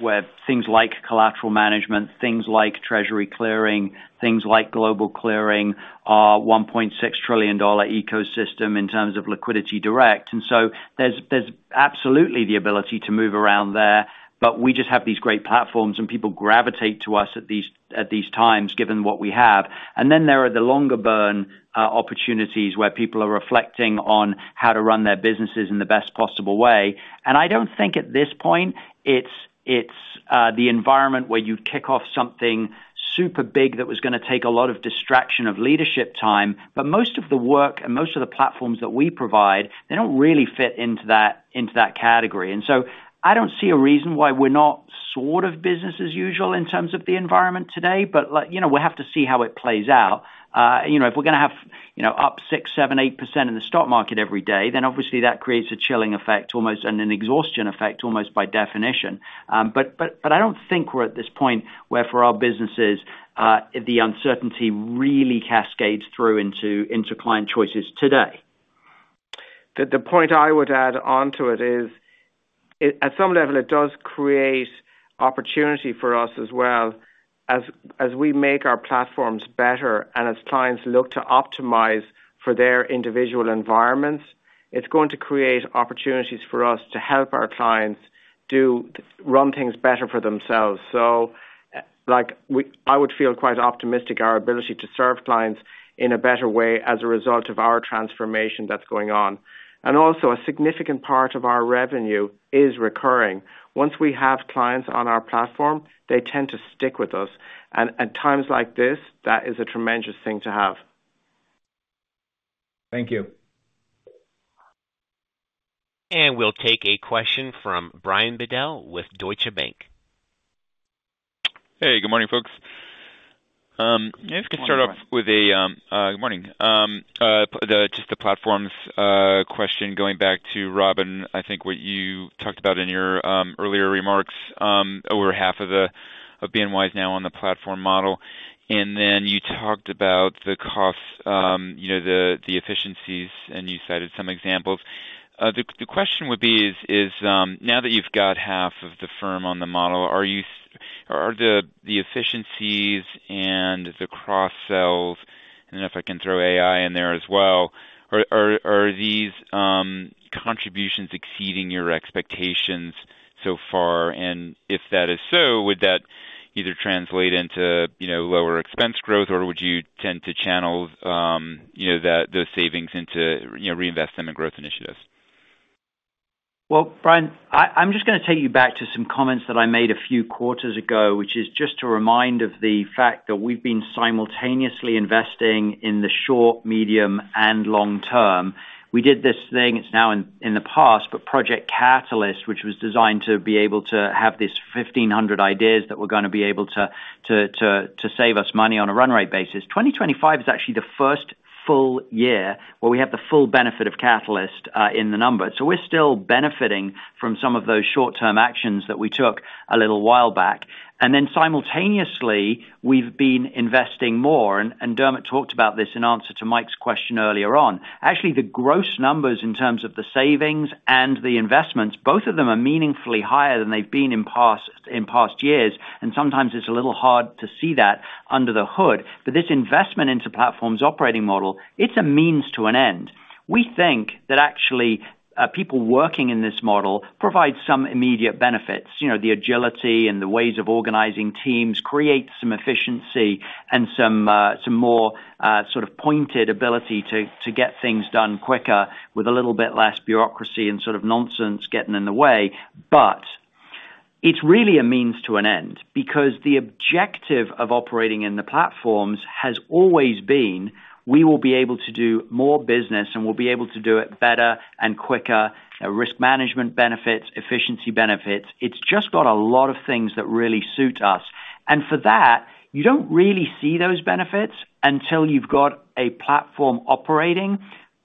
where things like collateral management, things like treasury clearing, things like global clearing, our $1.6 trillion ecosystem in terms of Liquidity Direct. There is absolutely the ability to move around there, but we just have these great platforms, and people gravitate to us at these times given what we have. There are the longer burn opportunities where people are reflecting on how to run their businesses in the best possible way. I do not think at this point it is the environment where you kick off something super big that was going to take a lot of distraction of leadership time, but most of the work and most of the platforms that we provide, they do not really fit into that category. I do not see a reason why we are not sort of business as usual in terms of the environment today, but we have to see how it plays out. If we are going to have up 6-8% in the stock market every day, obviously that creates a chilling effect, almost an exhaustion effect almost by definition. I do not think we are at this point where for our businesses, the uncertainty really cascades through into client choices today. The point I would add onto it is, at some level, it does create opportunity for us as well as we make our platforms better and as clients look to optimize for their individual environments. It's going to create opportunities for us to help our clients run things better for themselves. I would feel quite optimistic our ability to serve clients in a better way as a result of our transformation that's going on. Also, a significant part of our revenue is recurring. Once we have clients on our platform, they tend to stick with us. At times like this, that is a tremendous thing to have. Thank you. We'll take a question from Brian Bedell with Deutsche Bank. Hey, good morning, folks. If we could start off with a good morning. Just the platforms question going back to Robin, I think what you talked about in your earlier remarks, over half of the BNY is now on the platform model. And then you talked about the costs, the efficiencies, and you cited some examples. The question would be, now that you've got half of the firm on the model, are the efficiencies and the cross-sells, and then if I can throw AI in there as well, are these contributions exceeding your expectations so far? If that is so, would that either translate into lower expense growth, or would you tend to channel those savings into reinvesting in growth initiatives? Brian, I'm just going to take you back to some comments that I made a few quarters ago, which is just a reminder of the fact that we've been simultaneously investing in the short, medium, and long term. We did this thing, it's now in the past, but Project Catalyst, which was designed to be able to have these 1,500 ideas that were going to be able to save us money on a run rate basis, 2025 is actually the first full year where we have the full benefit of Catalyst in the number. We are still benefiting from some of those short-term actions that we took a little while back. Simultaneously, we have been investing more, and Dermot talked about this in answer to Mike's question earlier on. Actually, the gross numbers in terms of the savings and the investments, both of them are meaningfully higher than they have been in past years. Sometimes it is a little hard to see that under the hood. This investment into platforms' operating model, it is a means to an end. We think that actually people working in this model provide some immediate benefits. The agility and the ways of organizing teams create some efficiency and some more sort of pointed ability to get things done quicker with a little bit less bureaucracy and sort of nonsense getting in the way. It is really a means to an end because the objective of operating in the platforms has always been, we will be able to do more business, and we will be able to do it better and quicker, risk management benefits, efficiency benefits. It has just got a lot of things that really suit us. For that, you do not really see those benefits until you have got a platform operating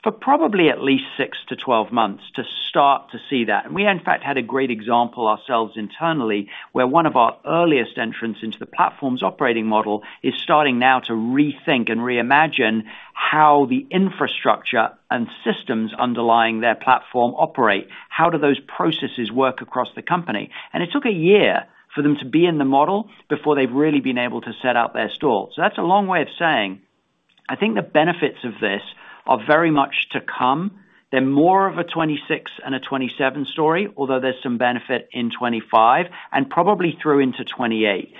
for probably at least 6-12 months to start to see that. We, in fact, had a great example ourselves internally where one of our earliest entrants into the platforms' operating model is starting now to rethink and reimagine how the infrastructure and systems underlying their platform operate. How do those processes work across the company? It took a year for them to be in the model before they've really been able to set up their stall. That is a long way of saying, I think the benefits of this are very much to come. They're more of a 2026 and a 2027 story, although there's some benefit in 2025 and probably through into 2028.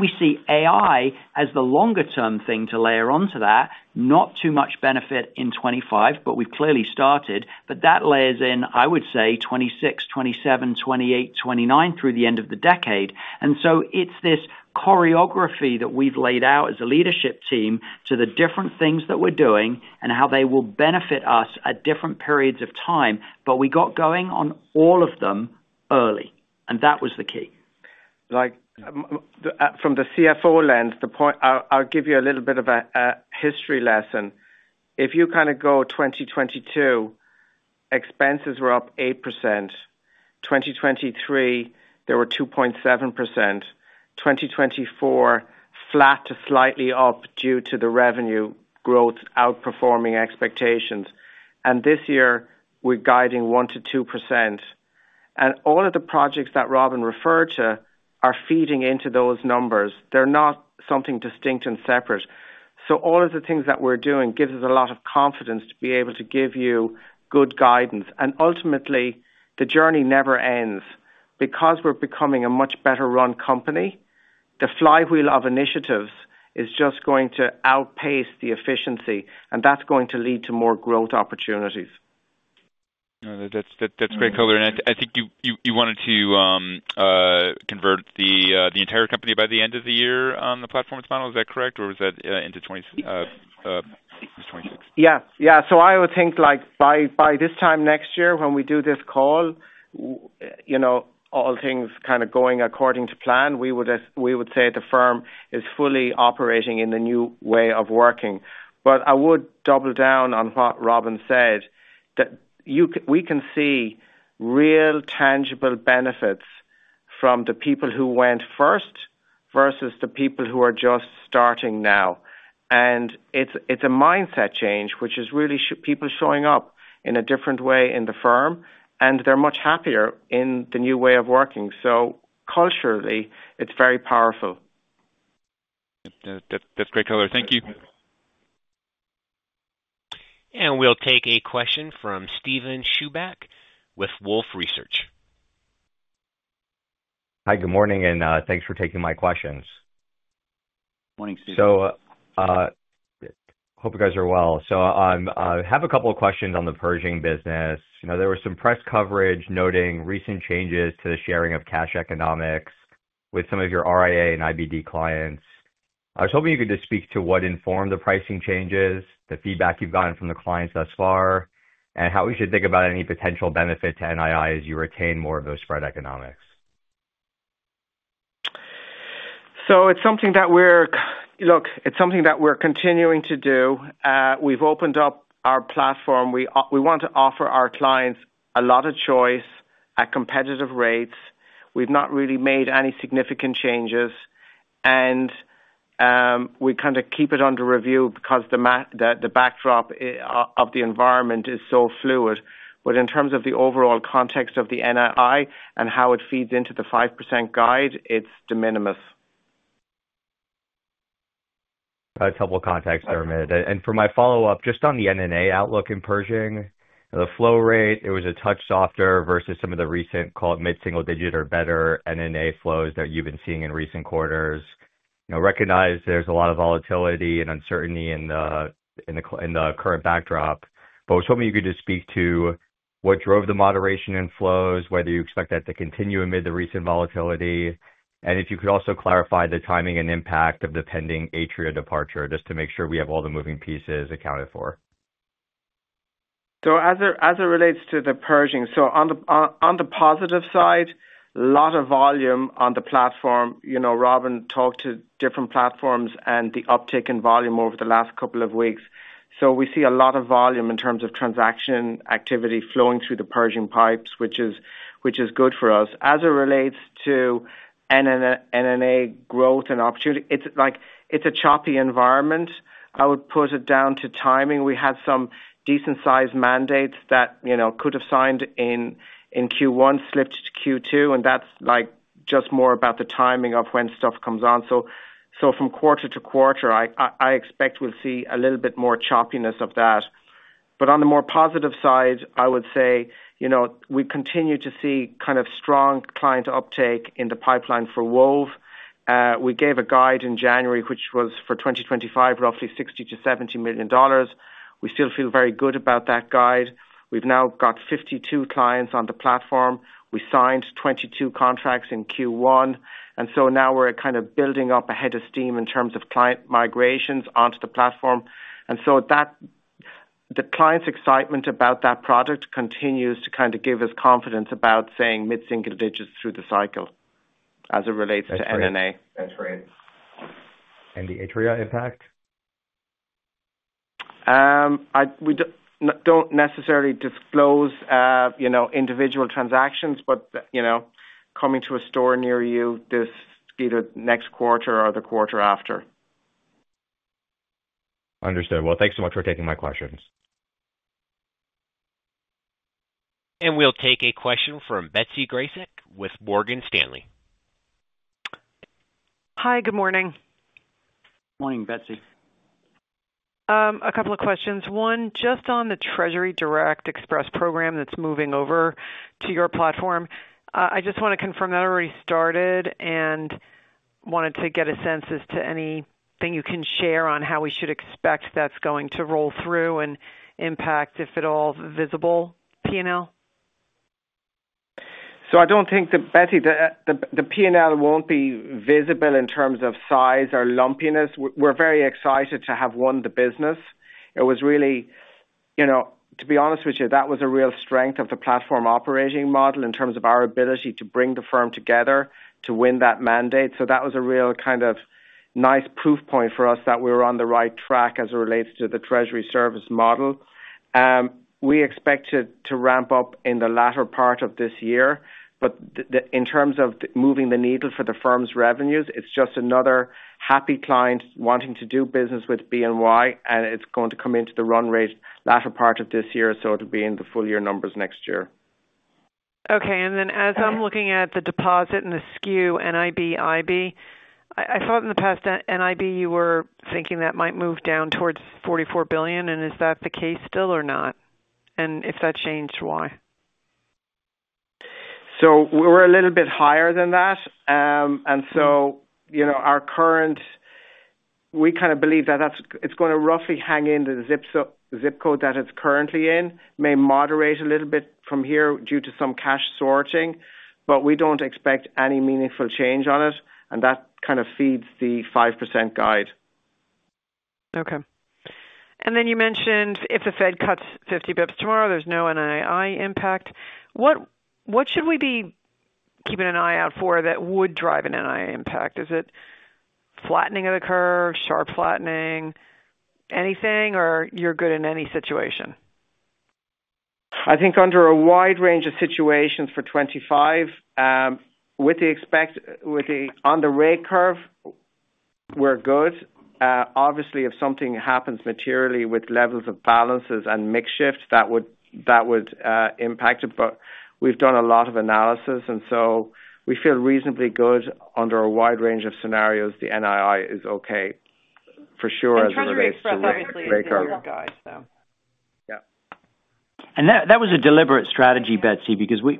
We see AI as the longer-term thing to layer onto that, not too much benefit in 2025, but we've clearly started. That layers in, I would say, 2026, 2027, 2028, 2029 through the end of the decade. It is this choreography that we have laid out as a leadership team to the different things that we are doing and how they will benefit us at different periods of time. We got going on all of them early, and that was the key. From the CFO lens, I will give you a little bit of a history lesson. If you kind of go 2022, expenses were up 8%. 2023, they were 2.7%. 2024, flat to slightly up due to the revenue growth outperforming expectations. This year, we are guiding 1-2%. All of the projects that Robin referred to are feeding into those numbers. They are not something distinct and separate. All of the things that we are doing give us a lot of confidence to be able to give you good guidance. Ultimately, the journey never ends. Because we're becoming a much better-run company, the flywheel of initiatives is just going to outpace the efficiency, and that's going to lead to more growth opportunities. That's great covering. I think you wanted to convert the entire company by the end of the year on the platforms model. Is that correct? Or was that into 2026? Yeah. Yeah. I would think by this time next year when we do this call, all things kind of going according to plan, we would say the firm is fully operating in the new way of working. I would double down on what Robin said, that we can see real tangible benefits from the people who went first versus the people who are just starting now. It's a mindset change, which is really people showing up in a different way in the firm, and they're much happier in the new way of working. Culturally, it's very powerful. That's great color. Thank you. We'll take a question from Steven Chubak with Wolfe Research. Hi, good morning, and thanks for taking my questions. Morning, Steven. Hope you guys are well. I have a couple of questions on the Pershing business. There was some press coverage noting recent changes to the sharing of cash economics with some of your RIA and IBD clients. I was hoping you could just speak to what informed the pricing changes, the feedback you've gotten from the clients thus far, and how we should think about any potential benefit to NII as you retain more of those spread economics. It is something that we are continuing to do. We have opened up our platform. We want to offer our clients a lot of choice at competitive rates. We have not really made any significant changes, and we kind of keep it under review because the backdrop of the environment is so fluid. In terms of the overall context of the NII and how it feeds into the 5% guide, it is de minimis. A couple of contexts there, Amit. For my follow-up, just on the NNA outlook in Pershing, the flow rate was a touch softer versus some of the recent, call it mid-single digit or better NNA flows that you have been seeing in recent quarters. Recognize there's a lot of volatility and uncertainty in the current backdrop, but I was hoping you could just speak to what drove the moderation in flows, whether you expect that to continue amid the recent volatility, and if you could also clarify the timing and impact of the pending Atria departure just to make sure we have all the moving pieces accounted for. As it relates to the Pershing, on the positive side, a lot of volume on the platform. Robin talked to different platforms and the uptick in volume over the last couple of weeks. We see a lot of volume in terms of transaction activity flowing through the Pershing pipes, which is good for us. As it relates to NNA growth and opportunity, it's a choppy environment. I would put it down to timing. We had some decent-sized mandates that could have signed in Q1, slipped to Q2, and that's just more about the timing of when stuff comes on. From quarter to quarter, I expect we'll see a little bit more choppiness of that. On the more positive side, I would say we continue to see kind of strong client uptake in the pipeline for Wove. We gave a guide in January, which was for 2025, roughly $60 million-$70 million. We still feel very good about that guide. We've now got 52 clients on the platform. We signed 22 contracts in Q1. Now we're kind of building up a head of steam in terms of client migrations onto the platform. The client's excitement about that product continues to kind of give us confidence about saying mid-single digits through the cycle as it relates to NNA. That's great. And the Atria impact? We don't necessarily disclose individual transactions, but coming to a store near you this either next quarter or the quarter after. Understood. Thanks so much for taking my questions. We'll take a question from Betsy Gracek with Morgan Stanley. Hi, good morning. Morning, Betsy. A couple of questions. One, just on the TreasuryDirectExpress program that's moving over to your platform. I just want to confirm that already started and wanted to get a sense as to anything you can share on how we should expect that's going to roll through and impact, if at all, visible P&L? I don't think that, Betsy, the P&L won't be visible in terms of size or lumpiness. We're very excited to have won the business. It was really, to be honest with you, that was a real strength of the platform operating model in terms of our ability to bring the firm together to win that mandate. That was a real kind of nice proof point for us that we were on the right track as it relates to the Treasury service model. We expected to ramp up in the latter part of this year, but in terms of moving the needle for the firm's revenues, it's just another happy client wanting to do business with BNY, and it's going to come into the run rate latter part of this year. It will be in the full year numbers next year. Okay. As I'm looking at the deposit and the SKU, NIB, IB, I thought in the past NIB you were thinking that might move down towards $44 billion. Is that the case still or not? If that changed, why? We are a little bit higher than that. Our current, we kind of believe that it is going to roughly hang in the zip code that it is currently in, may moderate a little bit from here due to some cash sorting, but we do not expect any meaningful change on it. That kind of feeds the 5% guide. Okay. You mentioned if the Fed cuts 50 basis points tomorrow, there is no NII impact. What should we be keeping an eye out for that would drive an NII impact? Is it flattening of the curve, sharp flattening, anything, or you are good in any situation? I think under a wide range of situations for 25, with the expect on the rate curve, we are good. Obviously, if something happens materially with levels of balances and mix shifts, that would impact it. We have done a lot of analysis, and so we feel reasonably good under a wide range of scenarios. The NII is okay for sure as it relates to the rate curve. Yeah. That was a deliberate strategy, Betsy, because we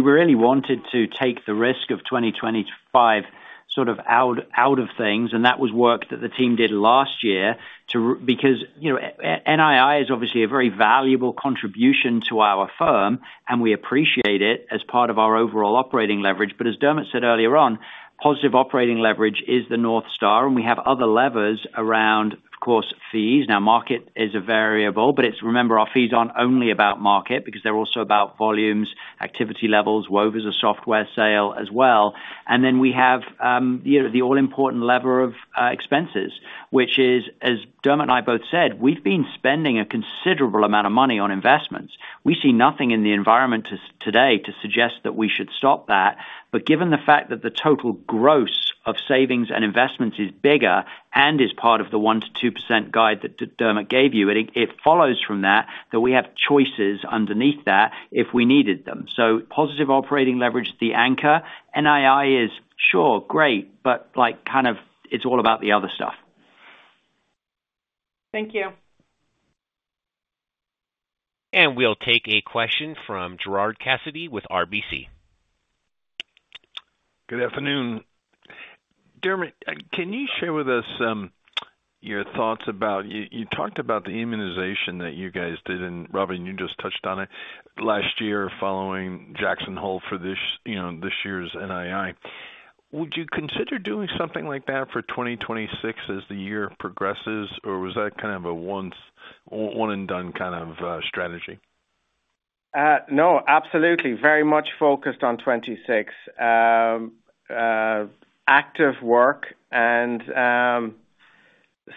really wanted to take the risk of 2025 sort of out of things. That was work that the team did last year because NII is obviously a very valuable contribution to our firm, and we appreciate it as part of our overall operating leverage. As Dermot said earlier on, positive operating leverage is the North Star. We have other levers around, of course, fees. Now, market is a variable, but remember, our fees aren't only about market because they're also about volumes, activity levels, Wove or software sale as well. We have the all-important lever of expenses, which is, as Dermot and I both said, we've been spending a considerable amount of money on investments. We see nothing in the environment today to suggest that we should stop that. Given the fact that the total gross of savings and investments is bigger and is part of the 1-2% guide that Dermot gave you, it follows from that that we have choices underneath that if we needed them. Positive operating leverage, the anchor. NII is sure, great, but kind of it's all about the other stuff. Thank you. We'll take a question from Gerard Cassidy with RBC. Good afternoon. Dermot, can you share with us your thoughts about you talked about the immunization that you guys did, and Robin, you just touched on it last year following Jackson Hole for this year's NII. Would you consider doing something like that for 2026 as the year progresses, or was that kind of a one-and-done kind of strategy? No, absolutely. Very much focused on 26. Active work. And yeah,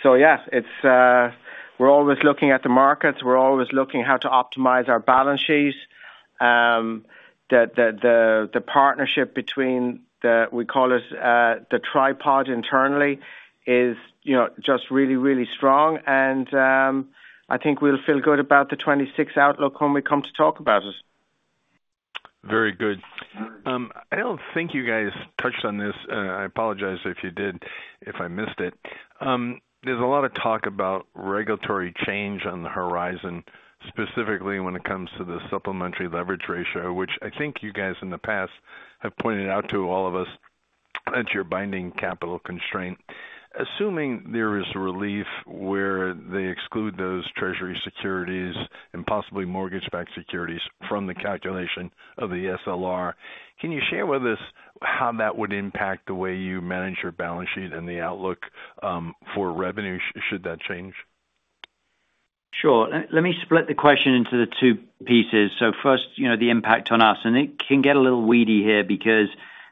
we're always looking at the markets. We're always looking at how to optimize our balance sheets. The partnership between the, we call it the tripod internally, is just really, really strong. I think we'll feel good about the 26 outlook when we come to talk about it. Very good. I don't think you guys touched on this. I apologize if you did, if I missed it. There's a lot of talk about regulatory change on the horizon, specifically when it comes to the Supplementary Leverage Ratio, which I think you guys in the past have pointed out to all of us as your binding capital constraint. Assuming there is relief where they exclude those Treasury securities and possibly mortgage-backed securities from the calculation of the SLR, can you share with us how that would impact the way you manage your balance sheet and the outlook for revenue should that change? Sure. Let me split the question into the two pieces. First, the impact on us. It can get a little weedy here because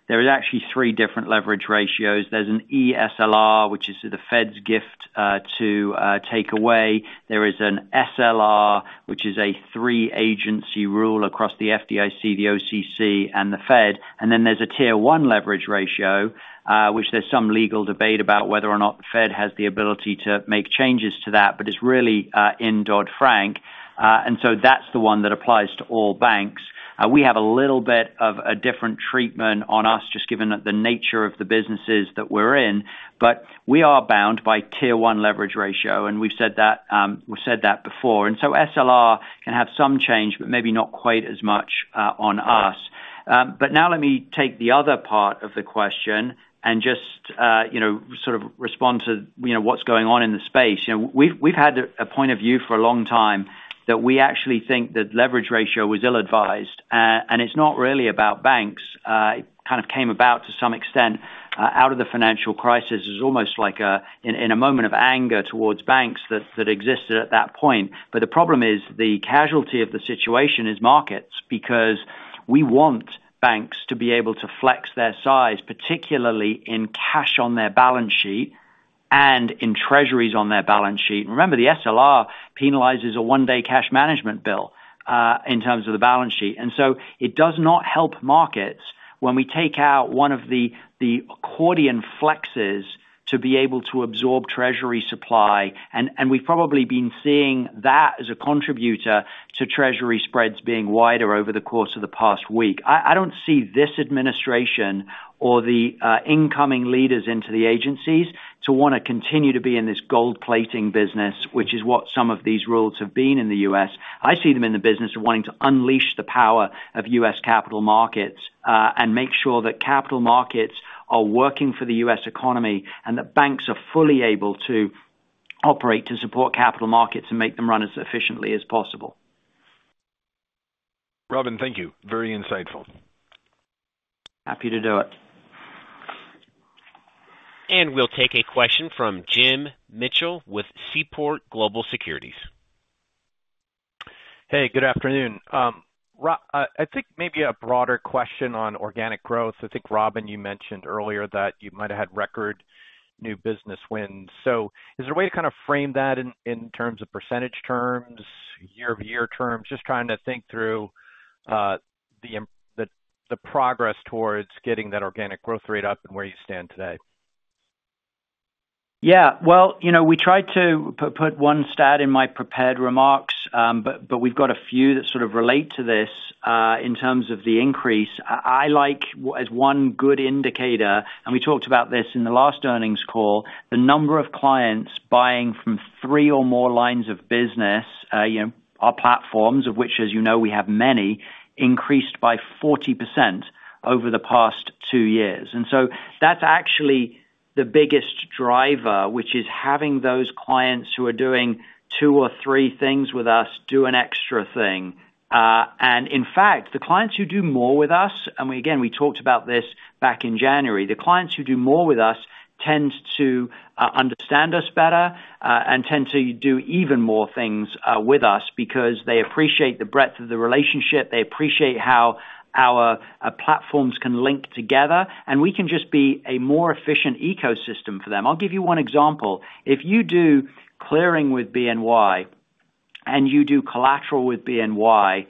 there are actually three different leverage ratios. There's an eSLR, which is the Fed's gift to take away. There is an SLR, which is a three-agency rule across the FDIC, the OCC, and the Fed. There is a Tier 1 Leverage Ratio, which there is some legal debate about whether or not the Fed has the ability to make changes to that, but it is really in Dodd-Frank. That is the one that applies to all banks. We have a little bit of a different treatment on us just given the nature of the businesses that we are in, but we are bound by Tier 1 Leverage ratio, and we have said that before. SLR can have some change, but maybe not quite as much on us. Let me take the other part of the question and just sort of respond to what is going on in the space. We have had a point of view for a long time that we actually think the leverage ratio was ill-advised, and it is not really about banks. It kind of came about to some extent out of the financial crisis. It's almost like in a moment of anger towards banks that existed at that point. The problem is the casualty of the situation is markets because we want banks to be able to flex their size, particularly in cash on their balance sheet and in Treasuries on their balance sheet. Remember, the SLR penalizes a one-day cash management bill in terms of the balance sheet. It does not help markets when we take out one of the accordion flexes to be able to absorb Treasury supply. We have probably been seeing that as a contributor to Treasury spreads being wider over the course of the past week. I do not see this administration or the incoming leaders into the agencies to want to continue to be in this gold plating business, which is what some of these rules have been in the U.S. I see them in the business of wanting to unleash the power of U.S. capital markets and make sure that capital markets are working for the U.S. economy and that banks are fully able to operate to support capital markets and make them run as efficiently as possible. Robin, thank you. Very insightful. Happy to do it. We will take a question from Jim Mitchell with Seaport Global Securities. Hey, good afternoon. I think maybe a broader question on organic growth. I think, Robin, you mentioned earlier that you might have had record new business wins. Is there a way to kind of frame that in terms of percentage terms, year-to-year terms, just trying to think through the progress towards getting that organic growth rate up and where you stand today? Yeah. I tried to put one stat in my prepared remarks, but we've got a few that sort of relate to this in terms of the increase. I like, as one good indicator, and we talked about this in the last earnings call, the number of clients buying from three or more lines of business, our platforms, of which, as you know, we have many, increased by 40% over the past two years. That's actually the biggest driver, which is having those clients who are doing two or three things with us do an extra thing. In fact, the clients who do more with us, and again, we talked about this back in January, the clients who do more with us tend to understand us better and tend to do even more things with us because they appreciate the breadth of the relationship. They appreciate how our platforms can link together, and we can just be a more efficient ecosystem for them. I'll give you one example. If you do clearing with BNY and you do collateral with BNY,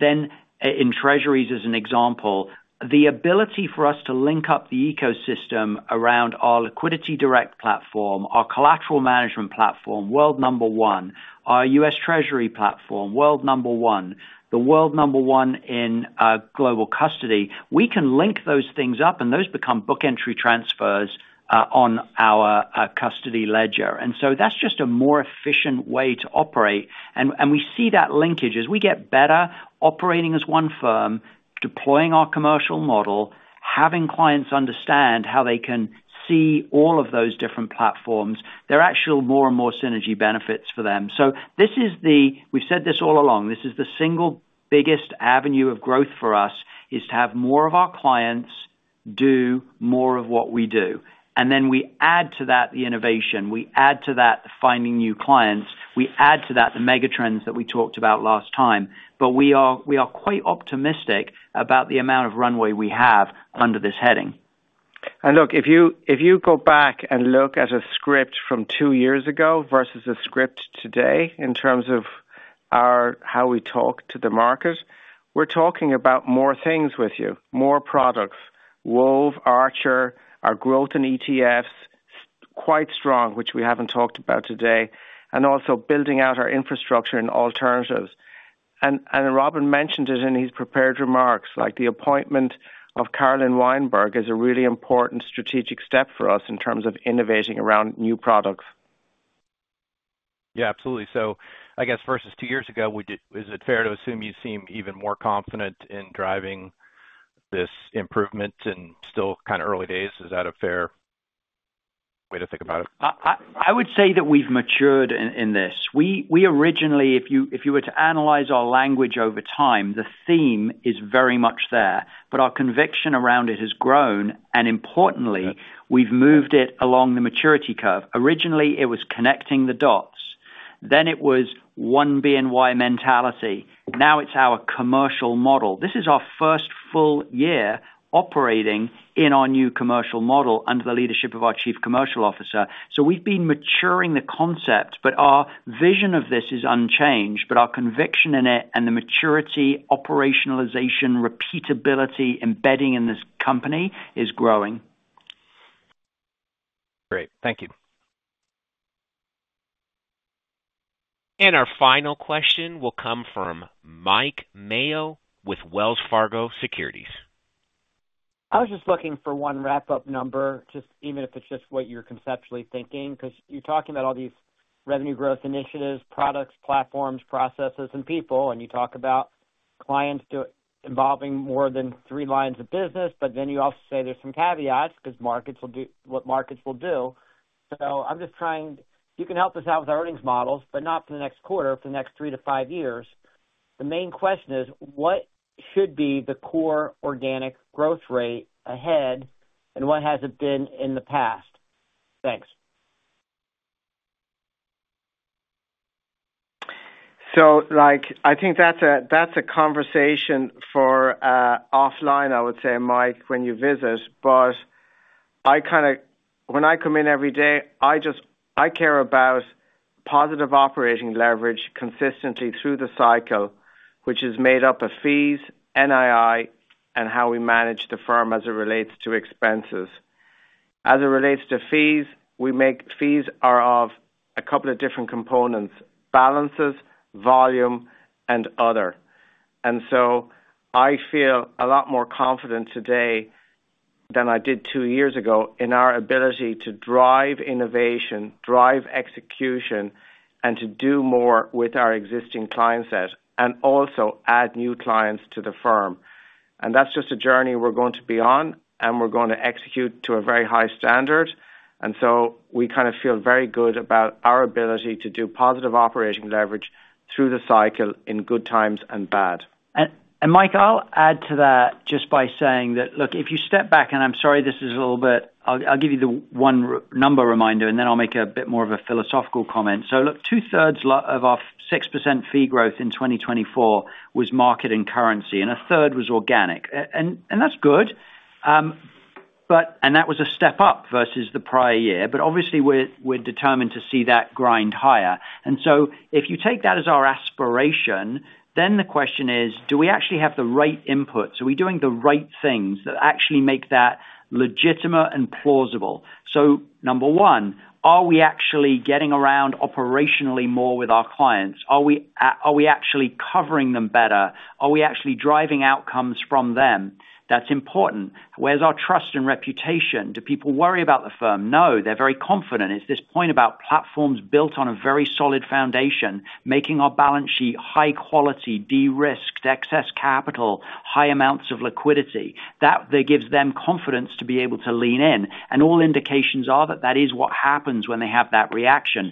then in Treasuries, as an example, the ability for us to link up the ecosystem around our Liquidity Direct platform, our collateral management platform, world number one, our U.S. Treasury platform, world number one, the world number one in global custody, we can link those things up, and those become book entry transfers on our custody ledger. That is just a more efficient way to operate. We see that linkage as we get better operating as one firm, deploying our commercial model, having clients understand how they can see all of those different platforms. There are actually more and more synergy benefits for them. This is the—we have said this all along—this is the single biggest avenue of growth for us: to have more of our clients do more of what we do. We add to that the innovation. We add to that the finding new clients. We add to that the mega trends that we talked about last time. We are quite optimistic about the amount of runway we have under this heading. If you go back and look at a script from two years ago versus a script today in terms of how we talk to the market, we're talking about more things with you, more products: Wove, Archer, our growth in ETFs, quite strong, which we haven't talked about today, and also building out our infrastructure and alternatives. Robin mentioned it in his prepared remarks, like the appointment of Carolyn Weinberg is a really important strategic step for us in terms of innovating around new products. Yeah, absolutely. I guess versus two years ago, is it fair to assume you seem even more confident in driving this improvement and still kind of early days? Is that a fair way to think about it? I would say that we've matured in this. We originally, if you were to analyze our language over time, the theme is very much there, but our conviction around it has grown. Importantly, we've moved it along the maturity curve. Originally, it was connecting the dots. Then it was one BNY mentality. Now it's our commercial model. This is our first full year operating in our new commercial model under the leadership of our Chief Commercial Officer. We've been maturing the concept, but our vision of this is unchanged. Our conviction in it and the maturity, operationalization, repeatability, embedding in this company is growing. Great. Thank you. Our final question will come from Mike Mayo with Wells Fargo Securities. I was just looking for one wrap-up number, just even if it's just what you're conceptually thinking, because you're talking about all these revenue growth initiatives, products, platforms, processes, and people, and you talk about clients involving more than three lines of business, but then you also say there's some caveats because markets will do what markets will do. I'm just trying—you can help us out with our earnings models, but not for the next quarter, for the next three to five years. The main question is, what should be the core organic growth rate ahead, and what has it been in the past? Thanks. I think that's a conversation for offline, I would say, Mike, when you visit. When I come in every day, I care about positive operating leverage consistently through the cycle, which is made up of fees, NII, and how we manage the firm as it relates to expenses. As it relates to fees, we make fees are of a couple of different components: balances, volume, and other. I feel a lot more confident today than I did two years ago in our ability to drive innovation, drive execution, and to do more with our existing client set and also add new clients to the firm. That is just a journey we are going to be on, and we are going to execute to a very high standard. We kind of feel very good about our ability to do positive operating leverage through the cycle in good times and bad. Mike, I'll add to that just by saying that, look, if you step back—I'm sorry, this is a little bit—I will give you the one number reminder, and then I will make a bit more of a philosophical comment. Look, two-thirds of our 6% fee growth in 2024 was market and currency, and a third was organic. That is good. That was a step up versus the prior year. Obviously, we are determined to see that grind higher. If you take that as our aspiration, the question is, do we actually have the right inputs? Are we doing the right things that actually make that legitimate and plausible? Number one, are we actually getting around operationally more with our clients? Are we actually covering them better? Are we actually driving outcomes from them? That is important. Where is our trust and reputation? Do people worry about the firm? No, they're very confident. It is this point about platforms built on a very solid foundation, making our balance sheet high quality, de-risked, excess capital, high amounts of liquidity. That gives them confidence to be able to lean in. All indications are that that is what happens when they have that reaction.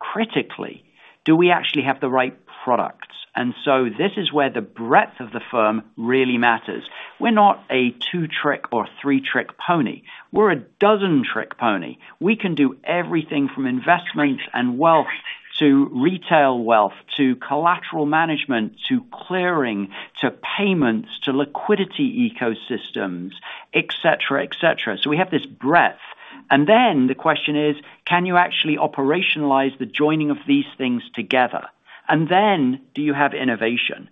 Critically, do we actually have the right products? This is where the breadth of the firm really matters. We're not a two-trick or three-trick pony. We're a dozen-trick pony. We can do everything from investments and wealth to retail wealth to collateral management to clearing to payments to liquidity ecosystems, etc., etc. We have this breadth. The question is, can you actually operationalize the joining of these things together? Do you have innovation?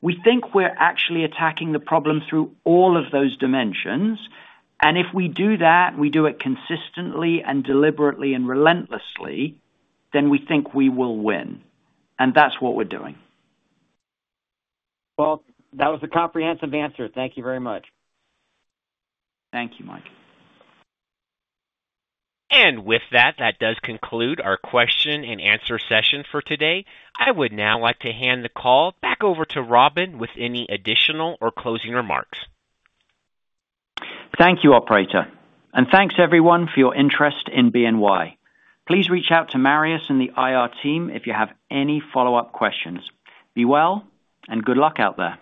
We think we are actually attacking the problem through all of those dimensions. If we do that, do it consistently, deliberately, and relentlessly, we think we will win. That is what we are doing. That was a comprehensive answer. Thank you very much. Thank you, Mike. With that, that does conclude our question and answer session for today. I would now like to hand the call back over to Robin with any additional or closing remarks. Thank you, Operator. Thanks, everyone, for your interest in BNY. Please reach out to Marius and the IR team if you have any follow-up questions. Be well, and good luck out there.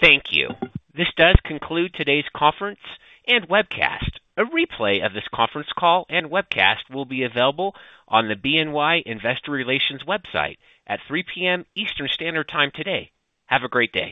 Thank you. This does conclude today's conference and webcast. A replay of this conference call and webcast will be available on the BNY Investor Relations website at 3:00 P.M. Eastern Standard Time today. Have a great day.